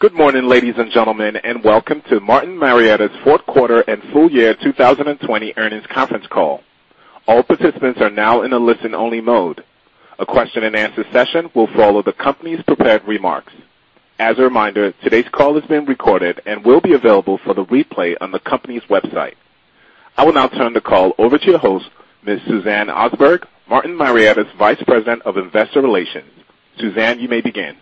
Good morning, ladies and gentlemen, and welcome to Martin Marietta's fourth quarter and full year 2020 earnings conference call. All participants are now in a listen-only mode. A question and answer session will follow the company's prepared remarks. As a reminder, today's call is being recorded and will be available for the replay on the company's website. I will now turn the call over to your host, Ms. Suzanne Osberg, Martin Marietta's Vice President of Investor Relations. Suzanne, you may begin.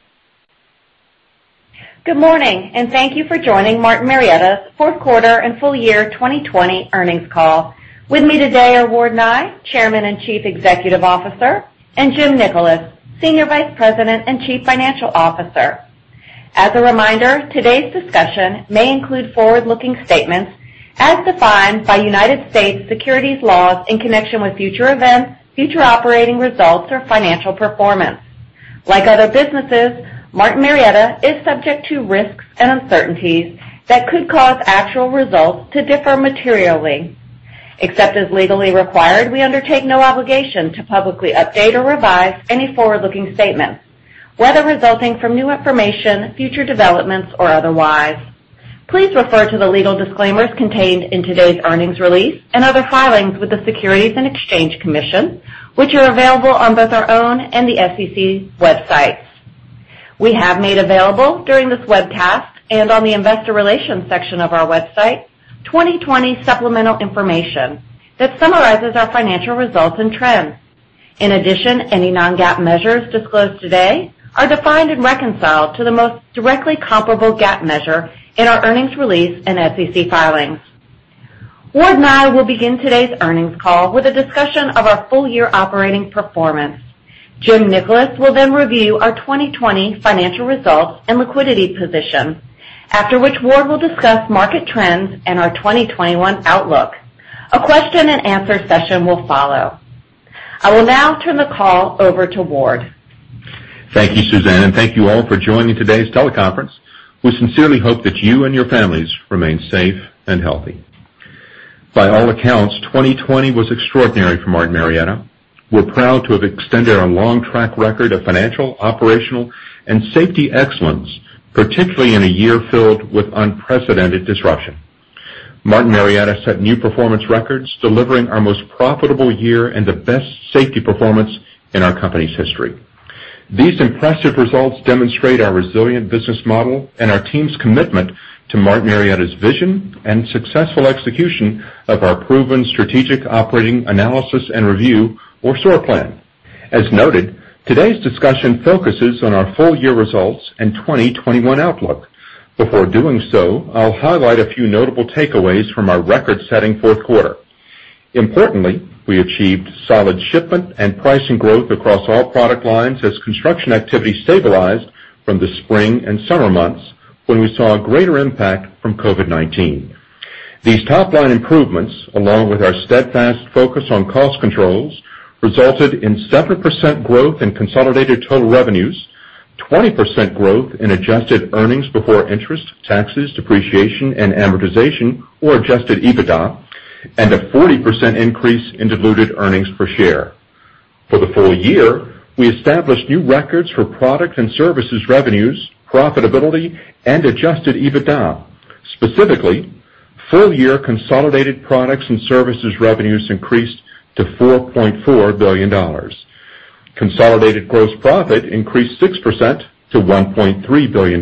Good morning, and thank you for joining Martin Marietta's fourth quarter and full year 2020 earnings call. With me today are Howard Nye, Chairman and Chief Executive Officer, and Jim Nickolas, Senior Vice President and Chief Financial Officer. As a reminder, today's discussion may include forward-looking statements as defined by U.S. securities laws in connection with future events, future operating results, or financial performance. Like other businesses, Martin Marietta is subject to risks and uncertainties that could cause actual results to differ materially. Except as legally required, we undertake no obligation to publicly update or revise any forward-looking statements, whether resulting from new information, future developments, or otherwise. Please refer to the legal disclaimers contained in today's earnings release and other filings with the Securities and Exchange Commission, which are available on both our own and the SEC websites. We have made available during this webcast, and on the investor relations section of our website, 2020 supplemental information that summarizes our financial results and trends. In addition, any non-GAAP measures disclosed today are defined and reconciled to the most directly comparable GAAP measure in our earnings release and SEC filings. Howard Nye will begin today's earnings call with a discussion of our full-year operating performance. Jim Nickolas will then review our 2020 financial results and liquidity position, after which Howard will discuss market trends and our 2021 outlook. A question and answer session will follow. I will now turn the call over to Howard. Thank you, Suzanne, and thank you all for joining today's teleconference. We sincerely hope that you and your families remain safe and healthy. By all accounts, 2020 was extraordinary for Martin Marietta. We're proud to have extended our long track record of financial, operational, and safety excellence, particularly in a year filled with unprecedented disruption. Martin Marietta set new performance records, delivering our most profitable year and the best safety performance in our company's history. These impressive results demonstrate our resilient business model and our team's commitment to Martin Marietta's vision and successful execution of our proven strategic operating analysis and review, or SOAR plan. As noted, today's discussion focuses on our full-year results and 2021 outlook. Before doing so, I'll highlight a few notable takeaways from our record-setting fourth quarter. Importantly, we achieved solid shipment and pricing growth across all product lines as construction activity stabilized from the spring and summer months, when we saw a greater impact from COVID-19. These top-line improvements, along with our steadfast focus on cost controls, resulted in 7% growth in consolidated total revenues, 20% growth in adjusted earnings before interest, taxes, depreciation, and amortization, or adjusted EBITDA, and a 40% increase in diluted earnings per share. For the full year, we established new records for products and services revenues, profitability, and adjusted EBITDA. Specifically, full-year consolidated products and services revenues increased to $4.4 billion. Consolidated gross profit increased 6% to $1.3 billion.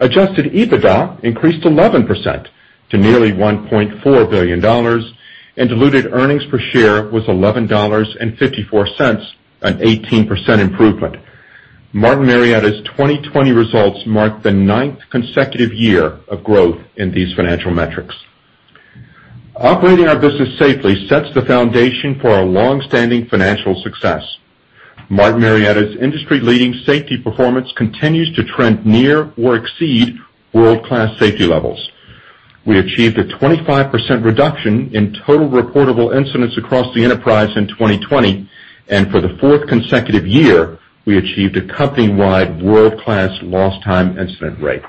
Adjusted EBITDA increased 11% to nearly $1.4 billion, and diluted earnings per share was $11.54, an 18% improvement. Martin Marietta's 2020 results mark the ninth consecutive year of growth in these financial metrics. Operating our business safely sets the foundation for our long-standing financial success. Martin Marietta's industry-leading safety performance continues to trend near or exceed world-class safety levels. We achieved a 25% reduction in total reportable incidents across the enterprise in 2020, and for the fourth consecutive year, we achieved a company-wide world-class lost time incident rate.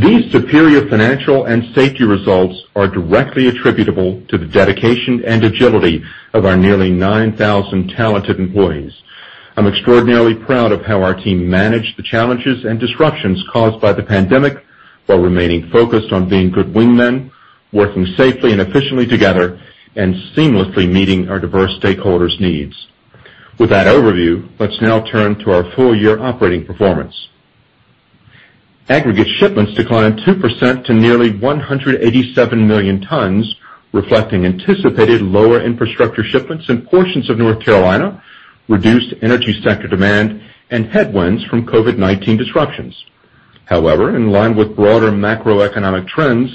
These superior financial and safety results are directly attributable to the dedication and agility of our nearly 9,000 talented employees. I'm extraordinarily proud of how our team managed the challenges and disruptions caused by the pandemic while remaining focused on being good wingmen, working safely and efficiently together, and seamlessly meeting our diverse stakeholders' needs. With that overview, let's now turn to our full-year operating performance. Aggregate shipments declined 2% to nearly 187 million tons, reflecting anticipated lower infrastructure shipments in portions of North Carolina, reduced energy sector demand, and headwinds from COVID-19 disruptions. However, in line with broader macroeconomic trends,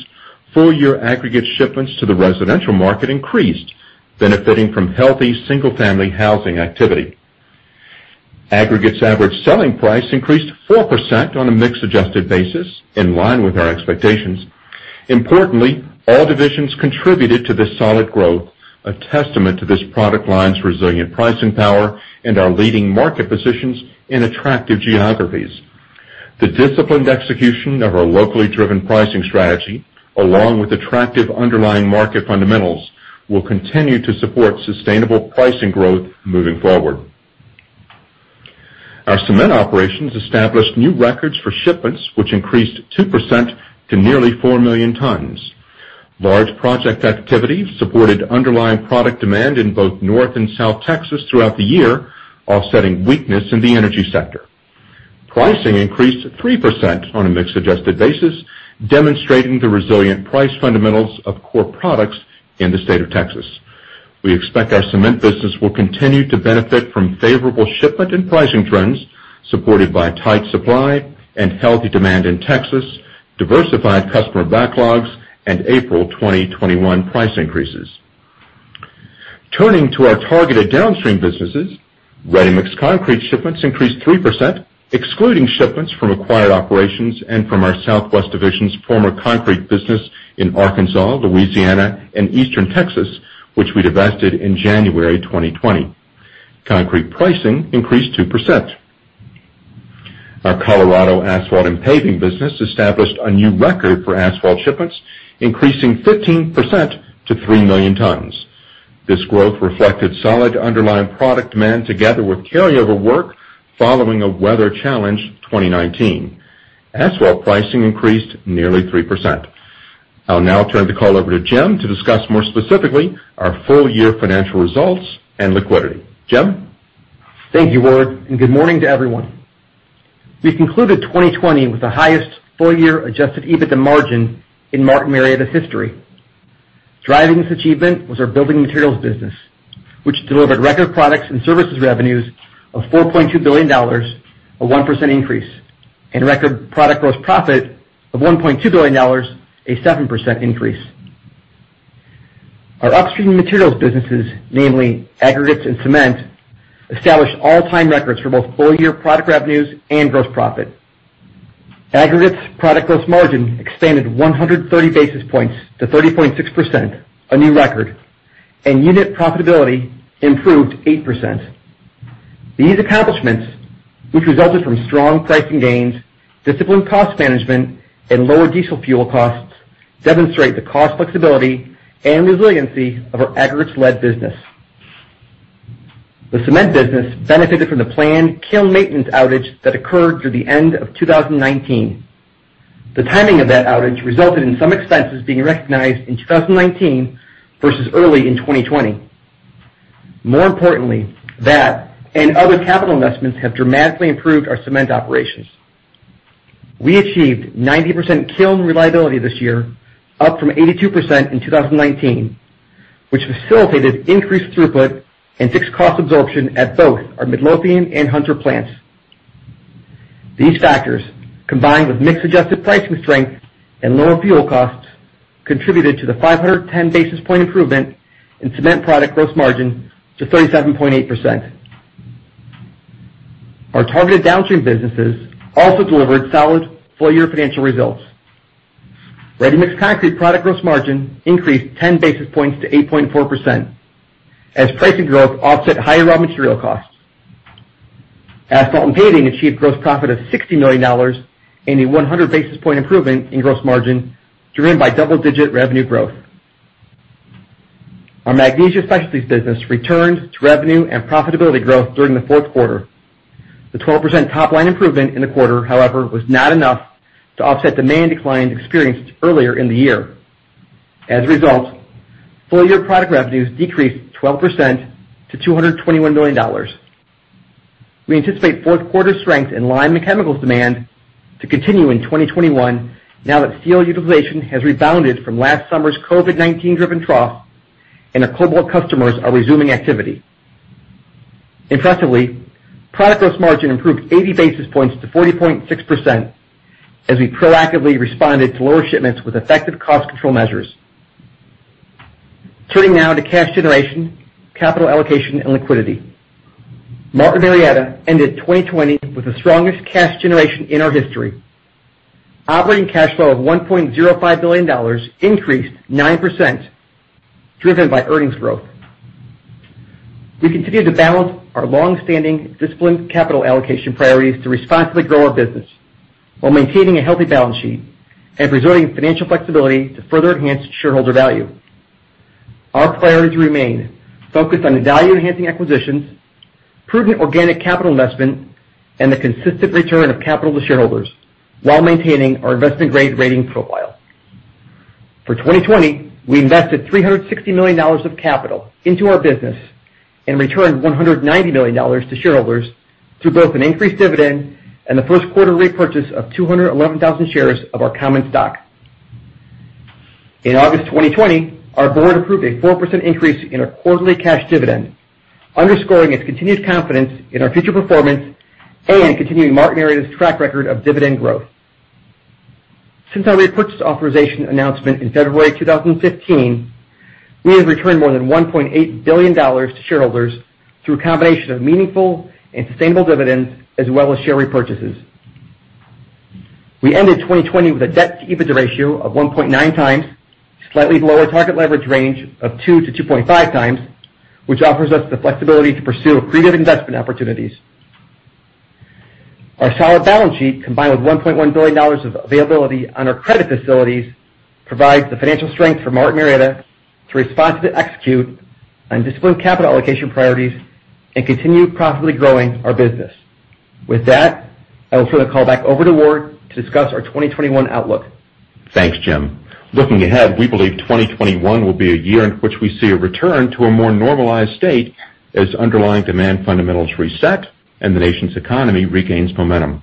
full-year aggregate shipments to the residential market increased, benefiting from healthy single-family housing activity. Aggregates average selling price increased 4% on a mix-adjusted basis, in line with our expectations. Importantly, all divisions contributed to this solid growth, a testament to this product line's resilient pricing power and our leading market positions in attractive geographies. The disciplined execution of our locally driven pricing strategy, along with attractive underlying market fundamentals will continue to support sustainable pricing growth moving forward. Our cement operations established new records for shipments, which increased 2% to nearly four million tons. Large project activity supported underlying product demand in both North and South Texas throughout the year, offsetting weakness in the energy sector. Pricing increased 3% on a mix adjusted basis, demonstrating the resilient price fundamentals of core products in the state of Texas. We expect our cement business will continue to benefit from favorable shipment and pricing trends supported by tight supply and healthy demand in Texas, diversified customer backlogs, and April 2021 price increases. Turning to our targeted downstream businesses, ready-mix concrete shipments increased 3%, excluding shipments from acquired operations and from our Southwest division's former concrete business in Arkansas, Louisiana, and Eastern Texas, which we divested in January 2020. Concrete pricing increased 2%. Our Colorado asphalt and paving business established a new record for asphalt shipments, increasing 15% to three million tons. This growth reflected solid underlying product demand together with carryover work following a weather-challenged 2019. Asphalt pricing increased nearly 3%. I'll now turn the call over to Jim to discuss more specifically our full-year financial results and liquidity. Jim? Thank you, Howard. Good morning to everyone. We concluded 2020 with the highest full-year adjusted EBITDA margin in Martin Marietta's history. Driving this achievement was our building materials business, which delivered record products and services revenues of $4.2 billion, a 1% increase, and record product gross profit of $1.2 billion, a 7% increase. Our upstream materials businesses, namely aggregates and cement, established all-time records for both full-year product revenues and gross profit. Aggregates product gross margin expanded 130 basis points to 30.6%, a new record, and unit profitability improved 8%. These accomplishments, which resulted from strong pricing gains, disciplined cost management, and lower diesel fuel costs, demonstrate the cost flexibility and resiliency of our aggregates-led business. The cement business benefited from the planned kiln maintenance outage that occurred through the end of 2019. The timing of that outage resulted in some expenses being recognized in 2019 versus early in 2020. More importantly, that and other capital investments have dramatically improved our cement operations. We achieved 90% kiln reliability this year, up from 82% in 2019, which facilitated increased throughput and fixed cost absorption at both our Midlothian and Hunter plants. These factors, combined with mix-adjusted pricing strength and lower fuel costs, contributed to the 510 basis point improvement in cement product gross margin to 37.8%. Our targeted downstream businesses also delivered solid full-year financial results. Ready-mix concrete product gross margin increased 10 basis points to 8.4%, as pricing growth offset higher raw material costs. Asphalt and paving achieved gross profit of $60 million and a 100 basis point improvement in gross margin, driven by double-digit revenue growth. Our Magnesia Specialties business returned to revenue and profitability growth during the fourth quarter. The 12% top-line improvement in the quarter, however, was not enough to offset demand declines experienced earlier in the year. As a result, full-year product revenues decreased 12% to $221 million. We anticipate fourth quarter strength in lime and chemicals demand to continue in 2021, now that steel utilization has rebounded from last summer's COVID-19 driven trough and our cobalt customers are resuming activity. Impressively, product gross margin improved 80 basis points to 40.6% as we proactively responded to lower shipments with effective cost control measures. Turning now to cash generation, capital allocation and liquidity. Martin Marietta ended 2020 with the strongest cash generation in our history. Operating cash flow of $1.05 billion increased 9%, driven by earnings growth. We continue to balance our long-standing disciplined capital allocation priorities to respond to the growth of business while maintaining a healthy balance sheet and preserving financial flexibility to further enhance shareholder value. Our priorities remain focused on value-enhancing acquisitions, prudent organic capital investment, and the consistent return of capital to shareholders while maintaining our investment-grade rating profile. For 2020, we invested $360 million of capital into our business and returned $190 million to shareholders through both an increased dividend and the first quarter repurchase of 211,000 shares of our common stock. In August 2020, our board approved a 4% increase in our quarterly cash dividend, underscoring its continued confidence in our future performance and continuing Martin Marietta's track record of dividend growth. Since our repurchase authorization announcement in February 2015, we have returned more than $1.8 billion to shareholders through a combination of meaningful and sustainable dividends as well as share repurchases. We ended 2020 with a debt to EBITDA ratio of 1.9 times, slightly below our target leverage range of 2-2.5 times, which offers us the flexibility to pursue accretive investment opportunities. Our solid balance sheet, combined with $1.1 billion of availability on our credit facilities, provides the financial strength for Martin Marietta to responsibly execute on disciplined capital allocation priorities and continue profitably growing our business. With that, I will turn the call back over to Howard to discuss our 2021 outlook. Thanks, Jim. Looking ahead, we believe 2021 will be a year in which we see a return to a more normalized state as underlying demand fundamentals reset and the nation's economy regains momentum.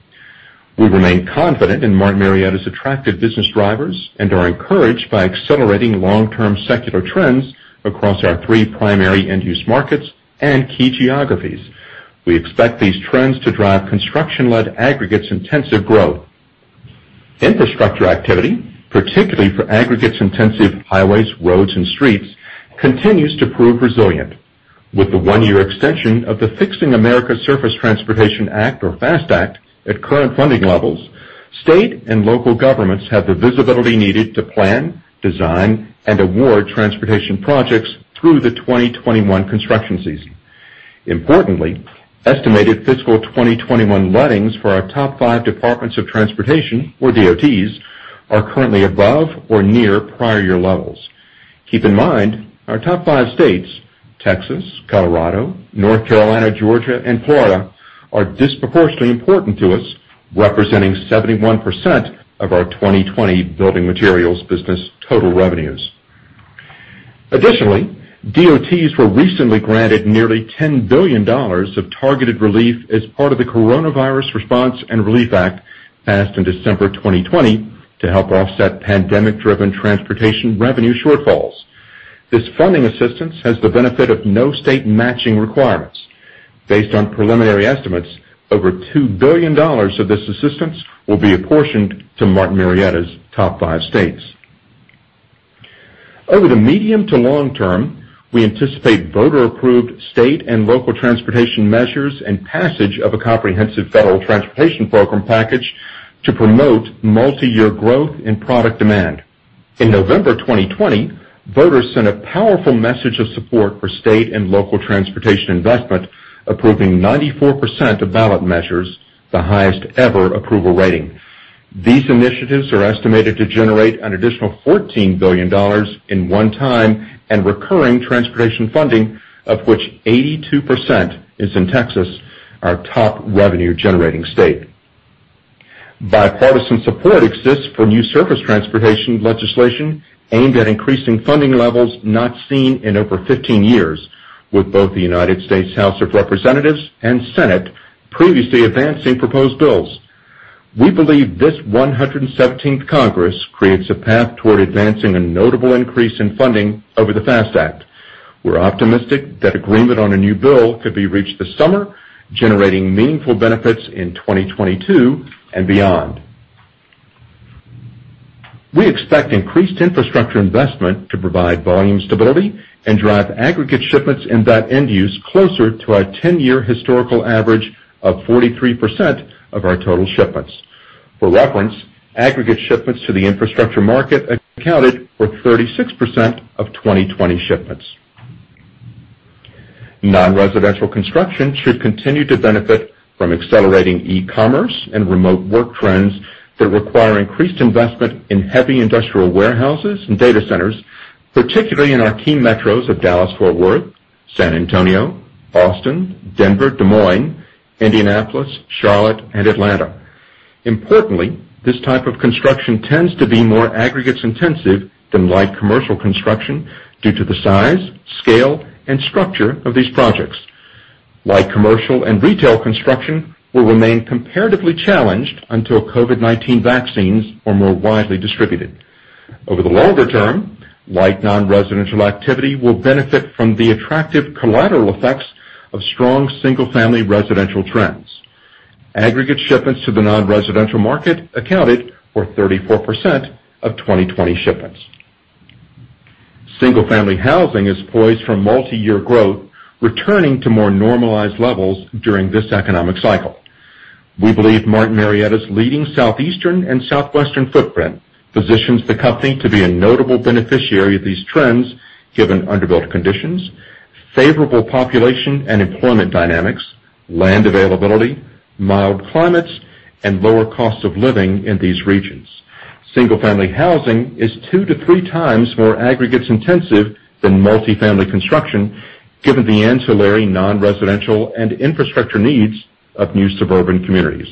We remain confident in Martin Marietta's attractive business drivers and are encouraged by accelerating long-term secular trends across our three primary end-use markets and key geographies. We expect these trends to drive construction-led aggregates intensive growth. Infrastructure activity, particularly for aggregates intensive highways, roads, and streets, continues to prove resilient. With the one-year extension of the Fixing America's Surface Transportation Act, or FAST Act, at current funding levels, state and local governments have the visibility needed to plan, design, and award transportation projects through the 2021 construction season. Importantly, estimated fiscal 2021 lettings for our top five departments of transportation, or DOTs, are currently above or near prior year levels. Keep in mind, our top five states, Texas, Colorado, North Carolina, Georgia, and Florida, are disproportionately important to us, representing 71% of our 2020 building materials business total revenues. Additionally, DOTs were recently granted nearly $10 billion of targeted relief as part of the Coronavirus Response and Relief Act passed in December 2020 to help offset pandemic-driven transportation revenue shortfalls. This funding assistance has the benefit of no state matching requirements. Based on preliminary estimates, over $2 billion of this assistance will be apportioned to Martin Marietta's top five states. Over the medium to long term, we anticipate voter-approved state and local transportation measures and passage of a comprehensive federal transportation program package to promote multi-year growth in product demand. In November 2020, voters sent a powerful message of support for state and local transportation investment, approving 94% of ballot measures, the highest ever approval rating. These initiatives are estimated to generate an additional $14 billion in one-time and recurring transportation funding, of which 82% is in Texas, our top revenue generating state. Bipartisan support exists for new surface transportation legislation aimed at increasing funding levels not seen in over 15 years with both the United States House of Representatives and Senate previously advancing proposed bills. We believe this 117th Congress creates a path toward advancing a notable increase in funding over the FAST Act. We're optimistic that agreement on a new bill could be reached this summer, generating meaningful benefits in 2022 and beyond. We expect increased infrastructure investment to provide volume stability and drive aggregate shipments in that end use closer to our 10-year historical average of 43% of our total shipments. For reference, aggregate shipments to the infrastructure market accounted for 36% of 2020 shipments. Non-residential construction should continue to benefit from accelerating e-commerce and remote work trends that require increased investment in heavy industrial warehouses and data centers, particularly in our key metros of Dallas-Fort Worth, San Antonio, Austin, Denver, Des Moines, Indianapolis, Charlotte, and Atlanta. Importantly, this type of construction tends to be more aggregates intensive than light commercial construction due to the size, scale, and structure of these projects. Light commercial and retail construction will remain comparatively challenged until COVID-19 vaccines are more widely distributed. Over the longer term, light non-residential activity will benefit from the attractive collateral effects of strong single family residential trends. Aggregate shipments to the non-residential market accounted for 34% of 2020 shipments. Single family housing is poised for multi-year growth, returning to more normalized levels during this economic cycle. We believe Martin Marietta's leading Southeastern and Southwestern footprint positions the company to be a notable beneficiary of these trends given underbuilt conditions, favorable population and employment dynamics, land availability, mild climates, and lower cost of living in these regions. Single family housing is two to three times more aggregates intensive than multifamily construction, given the ancillary non-residential and infrastructure needs of new suburban communities.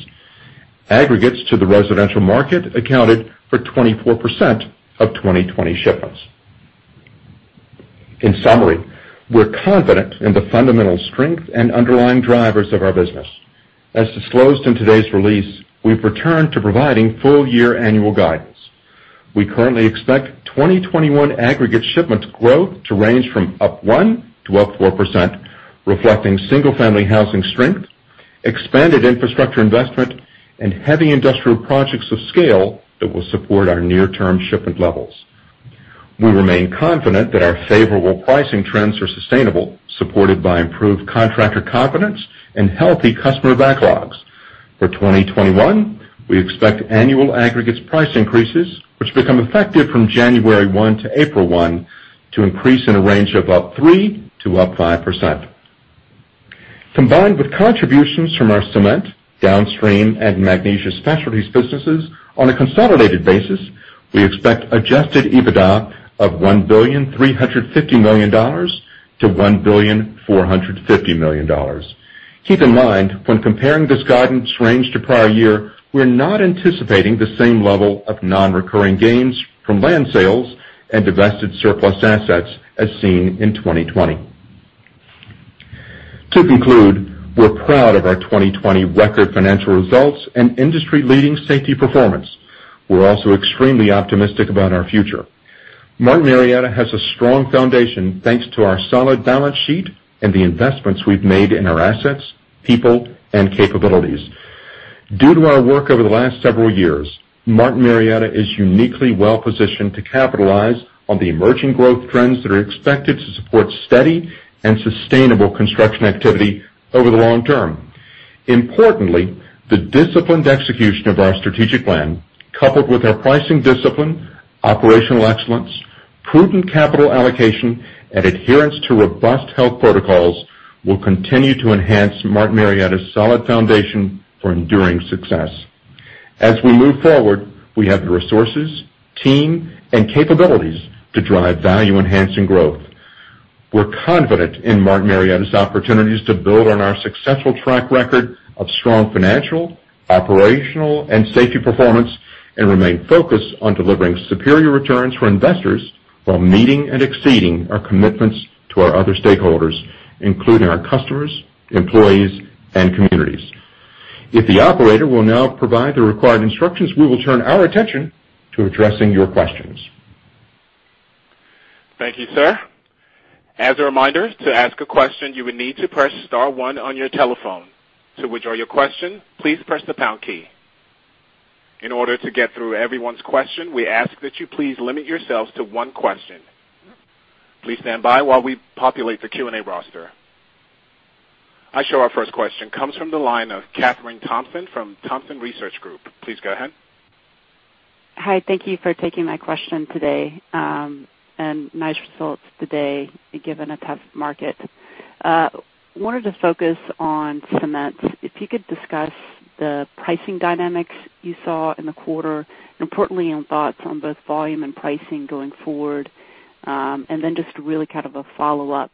Aggregates to the residential market accounted for 24% of 2020 shipments. In summary, we're confident in the fundamental strength and underlying drivers of our business. As disclosed in today's release, we've returned to providing full year annual guidance. We currently expect 2021 aggregate shipments growth to range from up 1%-4%, reflecting single family housing strength, expanded infrastructure investment, and heavy industrial projects of scale that will support our near term shipment levels. We remain confident that our favorable pricing trends are sustainable, supported by improved contractor confidence and healthy customer backlogs. For 2021, we expect annual aggregates price increases, which become effective from January 1 to April 1, to increase in a range of up 3%-5%. Combined with contributions from our cement, downstream and Magnesia Specialties businesses on a consolidated basis, we expect adjusted EBITDA of $1.35 billion to $1.45 billion. Keep in mind, when comparing this guidance range to prior year, we're not anticipating the same level of non-recurring gains from land sales and divested surplus assets as seen in 2020. To conclude, we're proud of our 2020 record financial results and industry-leading safety performance. We're also extremely optimistic about our future. Martin Marietta has a strong foundation thanks to our solid balance sheet and the investments we've made in our assets, people, and capabilities. Due to our work over the last several years, Martin Marietta is uniquely well-positioned to capitalize on the emerging growth trends that are expected to support steady and sustainable construction activity over the long term. Importantly, the disciplined execution of our strategic plan, coupled with our pricing discipline, operational excellence, prudent capital allocation, and adherence to robust health protocols will continue to enhance Martin Marietta's solid foundation for enduring success. As we move forward, we have the resources, team, and capabilities to drive value-enhancing growth. We're confident in Martin Marietta's opportunities to build on our successful track record of strong financial, operational, and safety performance and remain focused on delivering superior returns for investors while meeting and exceeding our commitments to our other stakeholders, including our customers, employees, and communities. If the operator will now provide the required instructions, we will turn our attention to addressing your questions. Thank you, sir. As a reminder, to ask a question, you would need to press star one on your telephone. To withdraw your question, please press the pound key. In order to get through everyone's question, we ask that you please limit yourselves to one question. Please stand by while we populate the Q&A roster. I show our first question comes from the line of Kathryn Thompson from Thompson Research Group. Please go ahead. Hi. Thank you for taking my question today. Nice results today given a tough market. Wanted to focus on cements. If you could discuss the pricing dynamics you saw in the quarter, importantly, on thoughts on both volume and pricing going forward. Then just really kind of a follow-up,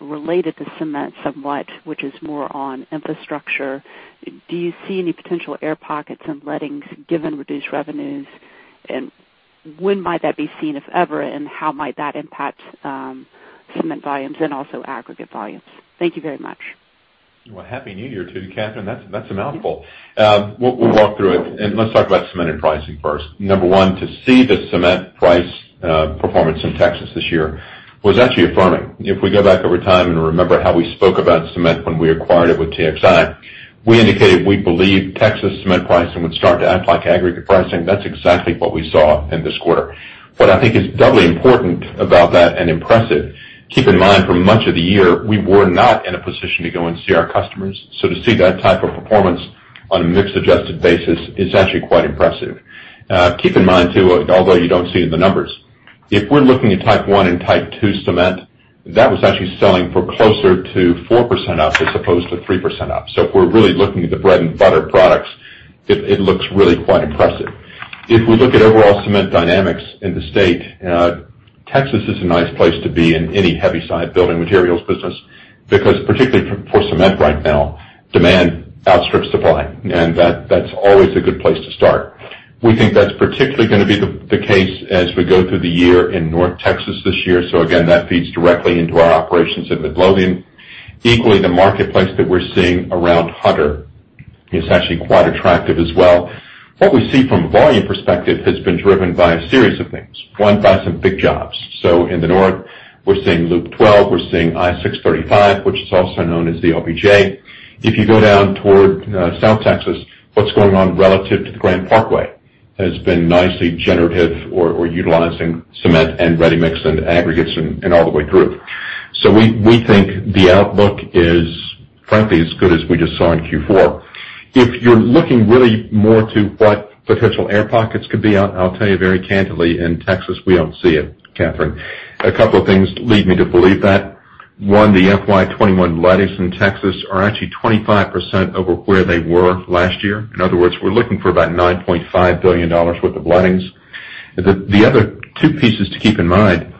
related to cement somewhat, which is more on infrastructure. Do you see any potential air pockets in lettings given reduced revenues? When might that be seen, if ever? How might that impact cement volumes and also aggregate volumes? Thank you very much. Well, Happy New Year to you, Kathryn. That's a mouthful. We'll walk through it. Let's talk about cement pricing first. Number one, to see the cement price performance in Texas this year was actually affirming. If we go back over time and remember how we spoke about cement when we acquired it with TXI, we indicated we believe Texas cement pricing would start to act like aggregate pricing. That's exactly what we saw in this quarter. What I think is doubly important about that and impressive, keep in mind, for much of the year, we were not in a position to go and see our customers. To see that type of performance on a mixed adjusted basis is actually quite impressive. Keep in mind too, although you don't see it in the numbers, if we're looking at type one and type two cement, that was actually selling for closer to 4% up as opposed to 3% up. If we're really looking at the bread-and-butter products, it looks really quite impressive. If we look at overall cement dynamics in the state, Texas is a nice place to be in any heavy side building materials business, because particularly for cement right now, demand outstrips supply, and that's always a good place to start. We think that's particularly going to be the case as we go through the year in North Texas this year. Again, that feeds directly into our operations in Midlothian. Equally, the marketplace that we're seeing around Hunter is actually quite attractive as well. What we see from a volume perspective has been driven by a series of things. By some big jobs. In the North, we're seeing Loop 12, we're seeing I-635, which is also known as the LBJ. If you go down toward South Texas, what's going on relative to the Grand Parkway has been nicely generative or utilizing cement and ready-mix and aggregates and all the way through. We think the outlook is, frankly, as good as we just saw in Q4. If you're looking really more to what potential air pockets could be, I'll tell you very candidly, in Texas, we don't see it, Kathryn. A couple of things lead me to believe that. The FY 2021 lettings in Texas are actually 25% over where they were last year. In other words, we're looking for about $9.5 billion worth of lettings. The other two pieces to keep in mind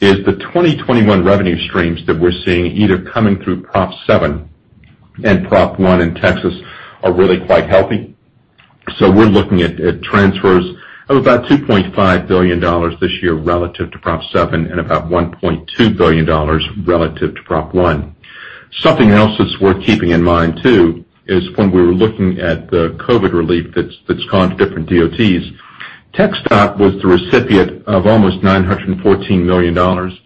is the 2021 revenue streams that we're seeing either coming through Prop 7 and Prop 1 in Texas are really quite healthy. We're looking at transfers of about $2.5 billion this year relative to Prop 7 and about $1.2 billion relative to Prop 1. Something else that's worth keeping in mind too is when we were looking at the COVID relief that's gone to different DOTs, TxDOT was the recipient of almost $914 million.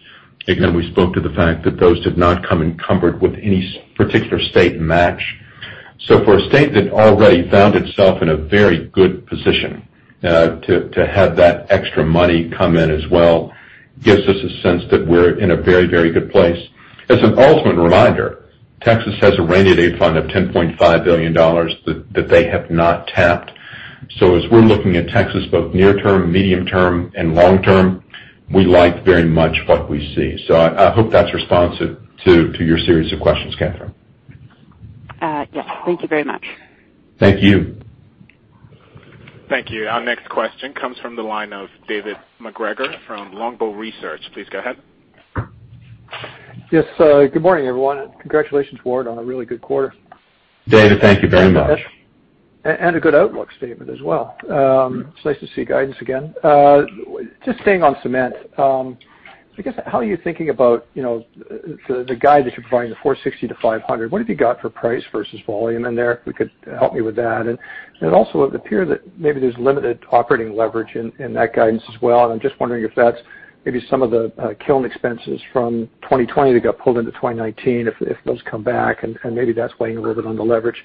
Again, we spoke to the fact that those did not come encumbered with any particular state match. For a state that already found itself in a very good position, to have that extra money come in as well gives us a sense that we're in a very good place. As an ultimate reminder, Texas has a rainy day fund of $10.5 billion that they have not tapped. As we're looking at Texas, both near-term, medium-term, and long-term, we like very much what we see. I hope that's responsive to your series of questions, Kathryn. Yes. Thank you very much. Thank you. Thank you. Our next question comes from the line of David MacGregor from Longbow Research. Please go ahead. Yes. Good morning, everyone. Congratulations, Howard, on a really good quarter. David, thank you very much. A good outlook statement as well. It's nice to see guidance again. Just staying on cement, how are you thinking about the guide that you're providing, the $460 million to $500 million? What have you got for price versus volume in there? If you could help me with that. It would appear that maybe there's limited operating leverage in that guidance as well, and I'm just wondering if that's maybe some of the kiln expenses from 2020 that got pulled into 2019, if those come back, and maybe that's weighing a little bit on the leverage.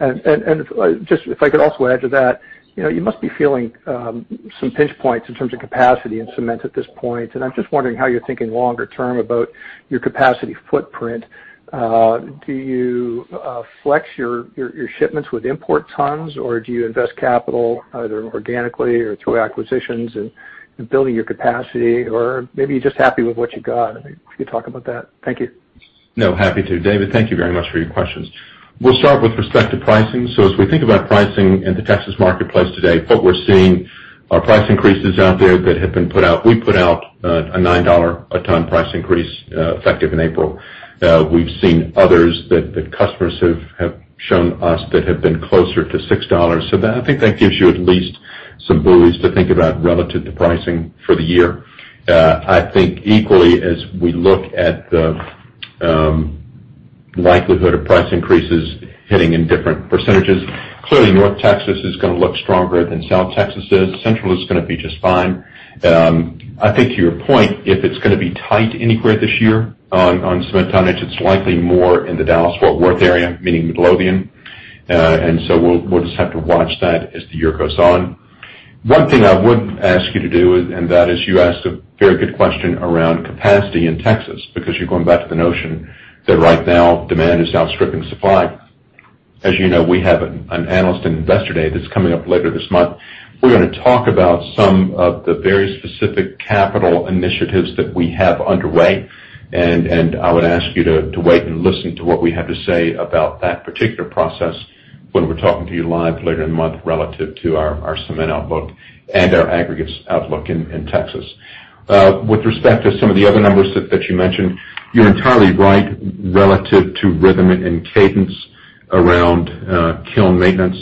If I could also add to that, you must be feeling some pinch points in terms of capacity in cement at this point, and I'm just wondering how you're thinking longer term about your capacity footprint. Do you flex your shipments with import tons, or do you invest capital, either organically or through acquisitions in building your capacity? Maybe you're just happy with what you got. I mean, if you could talk about that. Thank you. No, happy to. David, thank you very much for your questions. We'll start with respect to pricing. As we think about pricing in the Texas marketplace today, what we're seeing are price increases out there that have been put out. We put out a $9 a ton price increase, effective in April. We've seen others that customers have shown us that have been closer to $6. I think that gives you at least some clues to think about relative to pricing for the year. I think equally, as we look at the likelihood of price increases hitting in different percentages, clearly North Texas is going to look stronger than South Texas is. Central is going to be just fine. I think to your point, if it's going to be tight anywhere this year on cement tonnage, it's likely more in the Dallas-Fort Worth area, meaning Midlothian. We'll just have to watch that as the year goes on. One thing I would ask you to do is, and that is you asked a very good question around capacity in Texas, because you're going back to the notion that right now demand is outstripping supply. As you know, we have an analyst and investor day that's coming up later this month. We're going to talk about some of the very specific capital initiatives that we have underway, and I would ask you to wait and listen to what we have to say about that particular process when we're talking to you live later in the month relative to our cement outlook and our aggregates outlook in Texas. With respect to some of the other numbers that you mentioned, you're entirely right relative to rhythm and cadence around kiln maintenance.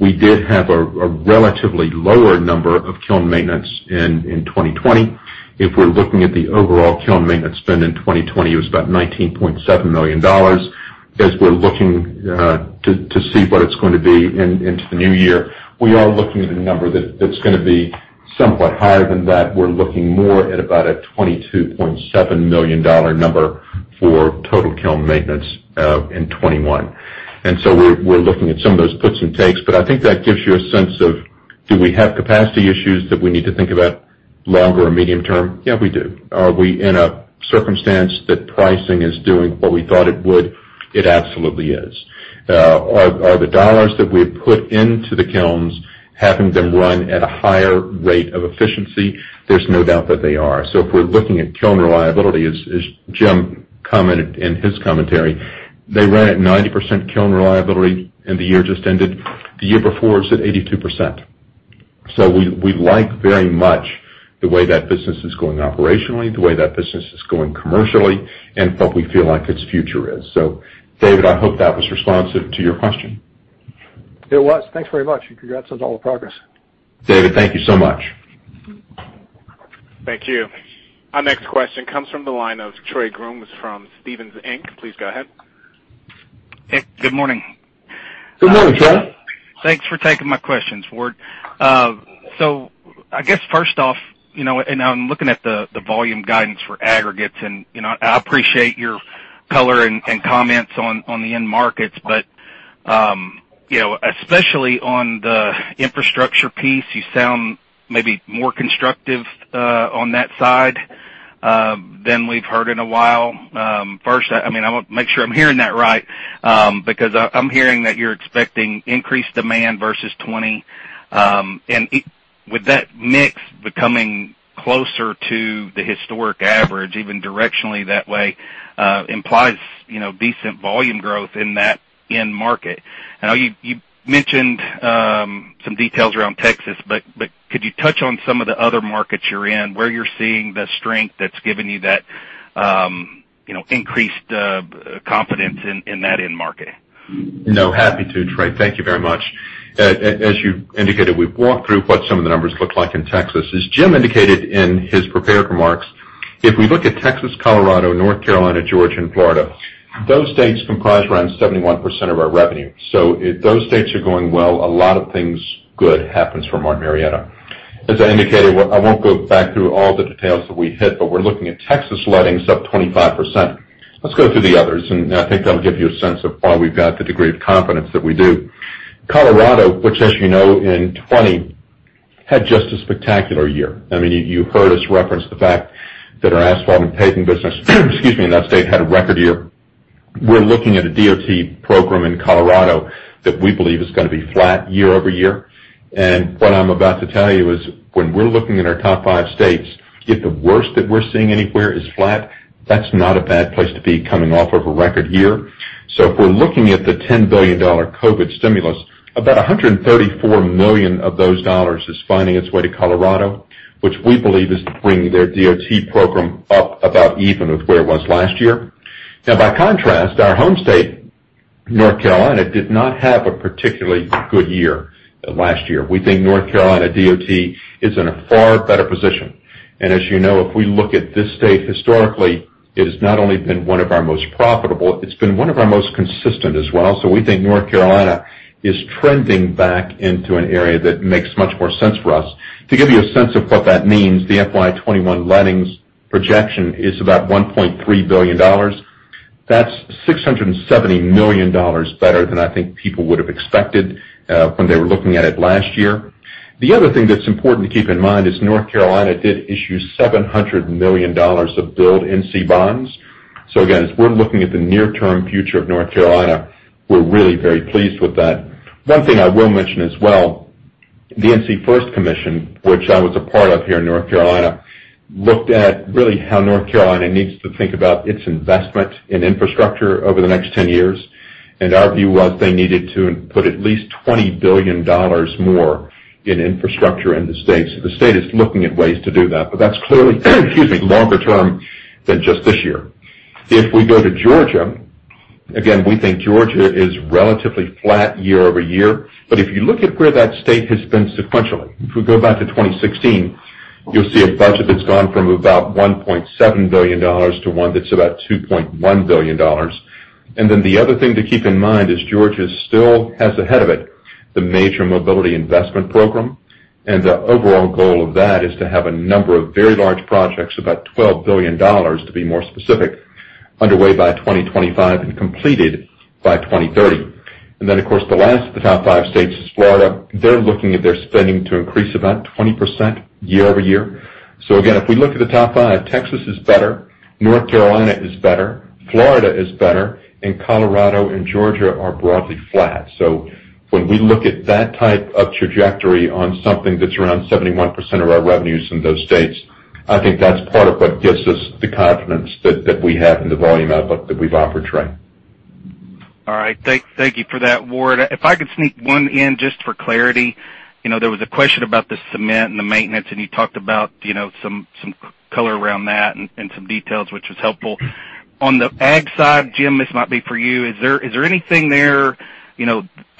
We did have a relatively lower number of kiln maintenance in 2020. If we're looking at the overall kiln maintenance spend in 2020, it was about $19.7 million. We're looking to see what it's going to be into the new year, we are looking at a number that's going to be somewhat higher than that. We're looking more at about a $22.7 million number for total kiln maintenance in 2021. We're looking at some of those puts and takes, but I think that gives you a sense of do we have capacity issues that we need to think about longer or medium-term? Yeah, we do. Are we in a circumstance that pricing is doing what we thought it would? It absolutely is. Are the dollars that we put into the kilns having them run at a higher rate of efficiency? There's no doubt that they are. If we're looking at kiln reliability, as Jim commented in his commentary, they ran at 90% kiln reliability in the year just ended. The year before, it's at 82%. We like very much the way that business is going operationally, the way that business is going commercially, and what we feel like its future is. David, I hope that was responsive to your question. It was. Thanks very much, and congrats on all the progress. David, thank you so much. Thank you. Our next question comes from the line of Trey Grooms from Stephens Inc. Please go ahead. Hey, good morning. Good morning, Trey. Thanks for taking my questions, Howard. I guess first off, and I'm looking at the volume guidance for aggregates, and I appreciate your color and comments on the end markets, but especially on the infrastructure piece, you sound maybe more constructive on that side than we've heard in a while. First, I want to make sure I'm hearing that right, because I'm hearing that you're expecting increased demand versus 2020. With that mix becoming closer to the historic average, even directionally that way, implies decent volume growth in that end market. I know you mentioned some details around Texas, could you touch on some of the other markets you're in, where you're seeing the strength that's given you that increased confidence in that end market? Happy to, Trey. Thank you very much. As you indicated, we've walked through what some of the numbers look like in Texas. As Jim indicated in his prepared remarks, if we look at Texas, Colorado, North Carolina, Georgia, and Florida, those states comprise around 71% of our revenue. If those states are going well, a lot of things good happens for Martin Marietta. As I indicated, I won't go back through all the details that we hit, we're looking at Texas loadings up 25%. Let's go through the others, I think that'll give you a sense of why we've got the degree of confidence that we do. Colorado, which as you know, in 2020, had just a spectacular year. I mean, you heard us reference the fact that our asphalt and paving business excuse me, in that state, had a record year. We're looking at a DOT program in Colorado that we believe is going to be flat year-over-year. What I'm about to tell you is when we're looking at our top five states, if the worst that we're seeing anywhere is flat, that's not a bad place to be coming off of a record year. If we're looking at the $10 billion COVID stimulus, about $134 million of those dollars is finding its way to Colorado, which we believe is bringing their DOT program up about even with where it was last year. Now, by contrast, our home state, North Carolina, did not have a particularly good year last year. We think North Carolina DOT is in a far better position. As you know, if we look at this state historically, it has not only been one of our most profitable, it's been one of our most consistent as well. We think North Carolina is trending back into an area that makes much more sense for us. To give you a sense of what that means, the FY 2021 lettings projection is about $1.3 billion. That's $670 million better than I think people would have expected when they were looking at it last year. The other thing that's important to keep in mind is North Carolina did issue $700 million of Build NC bonds. Again, as we're looking at the near-term future of North Carolina, we're really very pleased with that. One thing I will mention as well, the NC FIRST Commission, which I was a part of here in North Carolina, looked at really how North Carolina needs to think about its investment in infrastructure over the next 10 years. Our view was they needed to put at least $20 billion more in infrastructure in the state. The state is looking at ways to do that, but that's clearly longer term than just this year. If we go to Georgia, again, we think Georgia is relatively flat year-over-year. If you look at where that state has been sequentially, if we go back to 2016, you'll see a budget that's gone from about $1.7 billion to one that's about $2.1 billion. The other thing to keep in mind is Georgia still has ahead of it the major mobility investment program. The overall goal of that is to have a number of very large projects, about $12 billion to be more specific, underway by 2025 and completed by 2030. Then, of course, the last of the top five states is Florida. They're looking at their spending to increase about 20% year-over-year. Again, if we look at the top five, Texas is better, North Carolina is better, Florida is better, and Colorado and Georgia are broadly flat. When we look at that type of trajectory on something that's around 71% of our revenues in those states, I think that's part of what gives us the confidence that we have in the volume outlook that we've offered, Trey. All right. Thank you for that, Howard Nye. If I could sneak one in just for clarity. There was a question about the cement and the maintenance, and you talked about some color around that and some details, which was helpful. On the ag side, Jim, this might be for you. Is there anything there,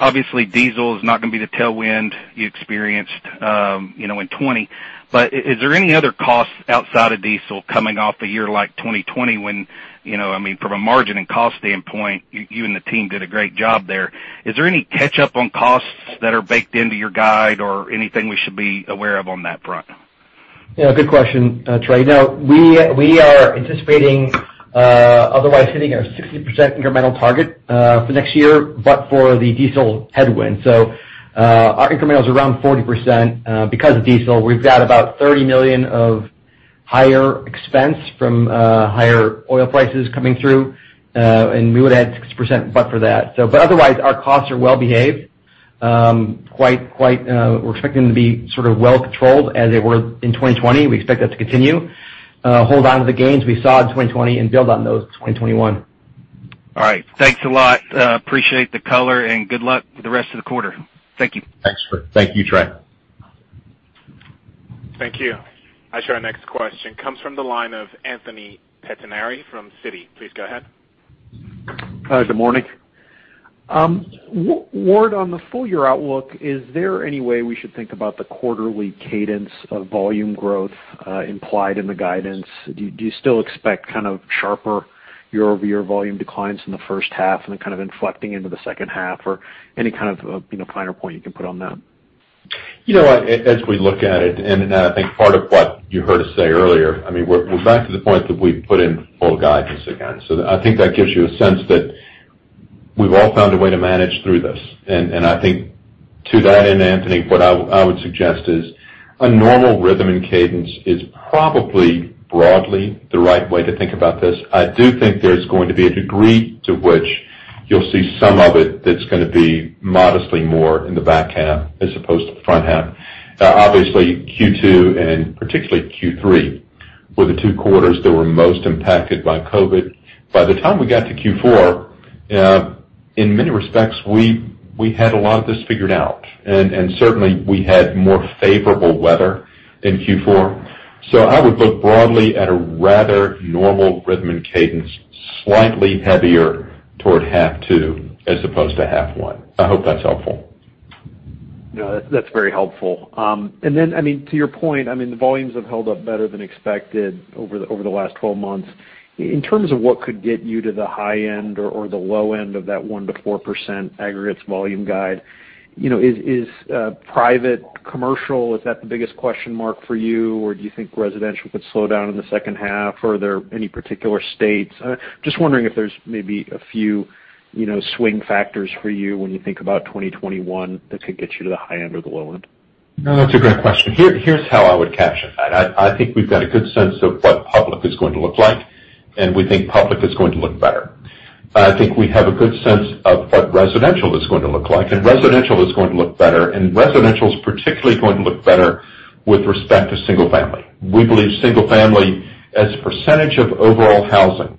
obviously diesel is not going to be the tailwind you experienced in 2020, but is there any other cost outside of diesel coming off a year like 2020 when, from a margin and cost standpoint, you and the team did a great job there? Is there any catch up on costs that are baked into your guide or anything we should be aware of on that front? Yeah, good question, Trey. We are anticipating otherwise hitting our 60% incremental target for next year, but for the diesel headwind. Our incremental is around 40%, because of diesel. We've got about $30 million of higher expense from higher oil prices coming through, and we would add 6% but for that. Otherwise, our costs are well behaved. We're expecting them to be sort of well controlled as they were in 2020. We expect that to continue. Hold onto the gains we saw in 2020 and build on those in 2021. All right. Thanks a lot. Appreciate the color, and good luck with the rest of the quarter. Thank you. Thanks. Thank you, Trey. Thank you. I show our next question comes from the line of Anthony Pettinari from Citi. Please go ahead. Good morning. Howard, on the full year outlook, is there any way we should think about the quarterly cadence of volume growth implied in the guidance? Do you still expect kind of sharper year-over-year volume declines in the first half and then kind of inflecting into the second half, or any kind of finer point you can put on that? As we look at it, and I think part of what you heard us say earlier, we're back to the point that we've put in full guidance again. I think that gives you a sense that we've all found a way to manage through this. I think to that, Anthony, what I would suggest is a normal rhythm and cadence is probably broadly the right way to think about this. I do think there's going to be a degree to which you'll see some of it that's going to be modestly more in the back half as opposed to the front half. Obviously, Q2 and particularly Q3 were the two quarters that were most impacted by COVID. By the time we got to Q4, in many respects, we had a lot of this figured out, and certainly, we had more favorable weather in Q4. I would look broadly at a rather normal rhythm and cadence, slightly heavier toward half two as opposed to half one. I hope that's helpful. No, that's very helpful. To your point, the volumes have held up better than expected over the last 12 months. In terms of what could get you to the high end or the low end of that 1%-4% aggregates volume guide, is private commercial, is that the biggest question mark for you, or do you think residential could slow down in the second half? Are there any particular states? Just wondering if there's maybe a few swing factors for you when you think about 2021 that could get you to the high end or the low end. No, that's a great question. Here's how I would capture that. I think we've got a good sense of what public is going to look like, and we think public is going to look better. I think we have a good sense of what residential is going to look like, and residential is going to look better, and residential is particularly going to look better with respect to single family. We believe single family, as a percentage of overall housing,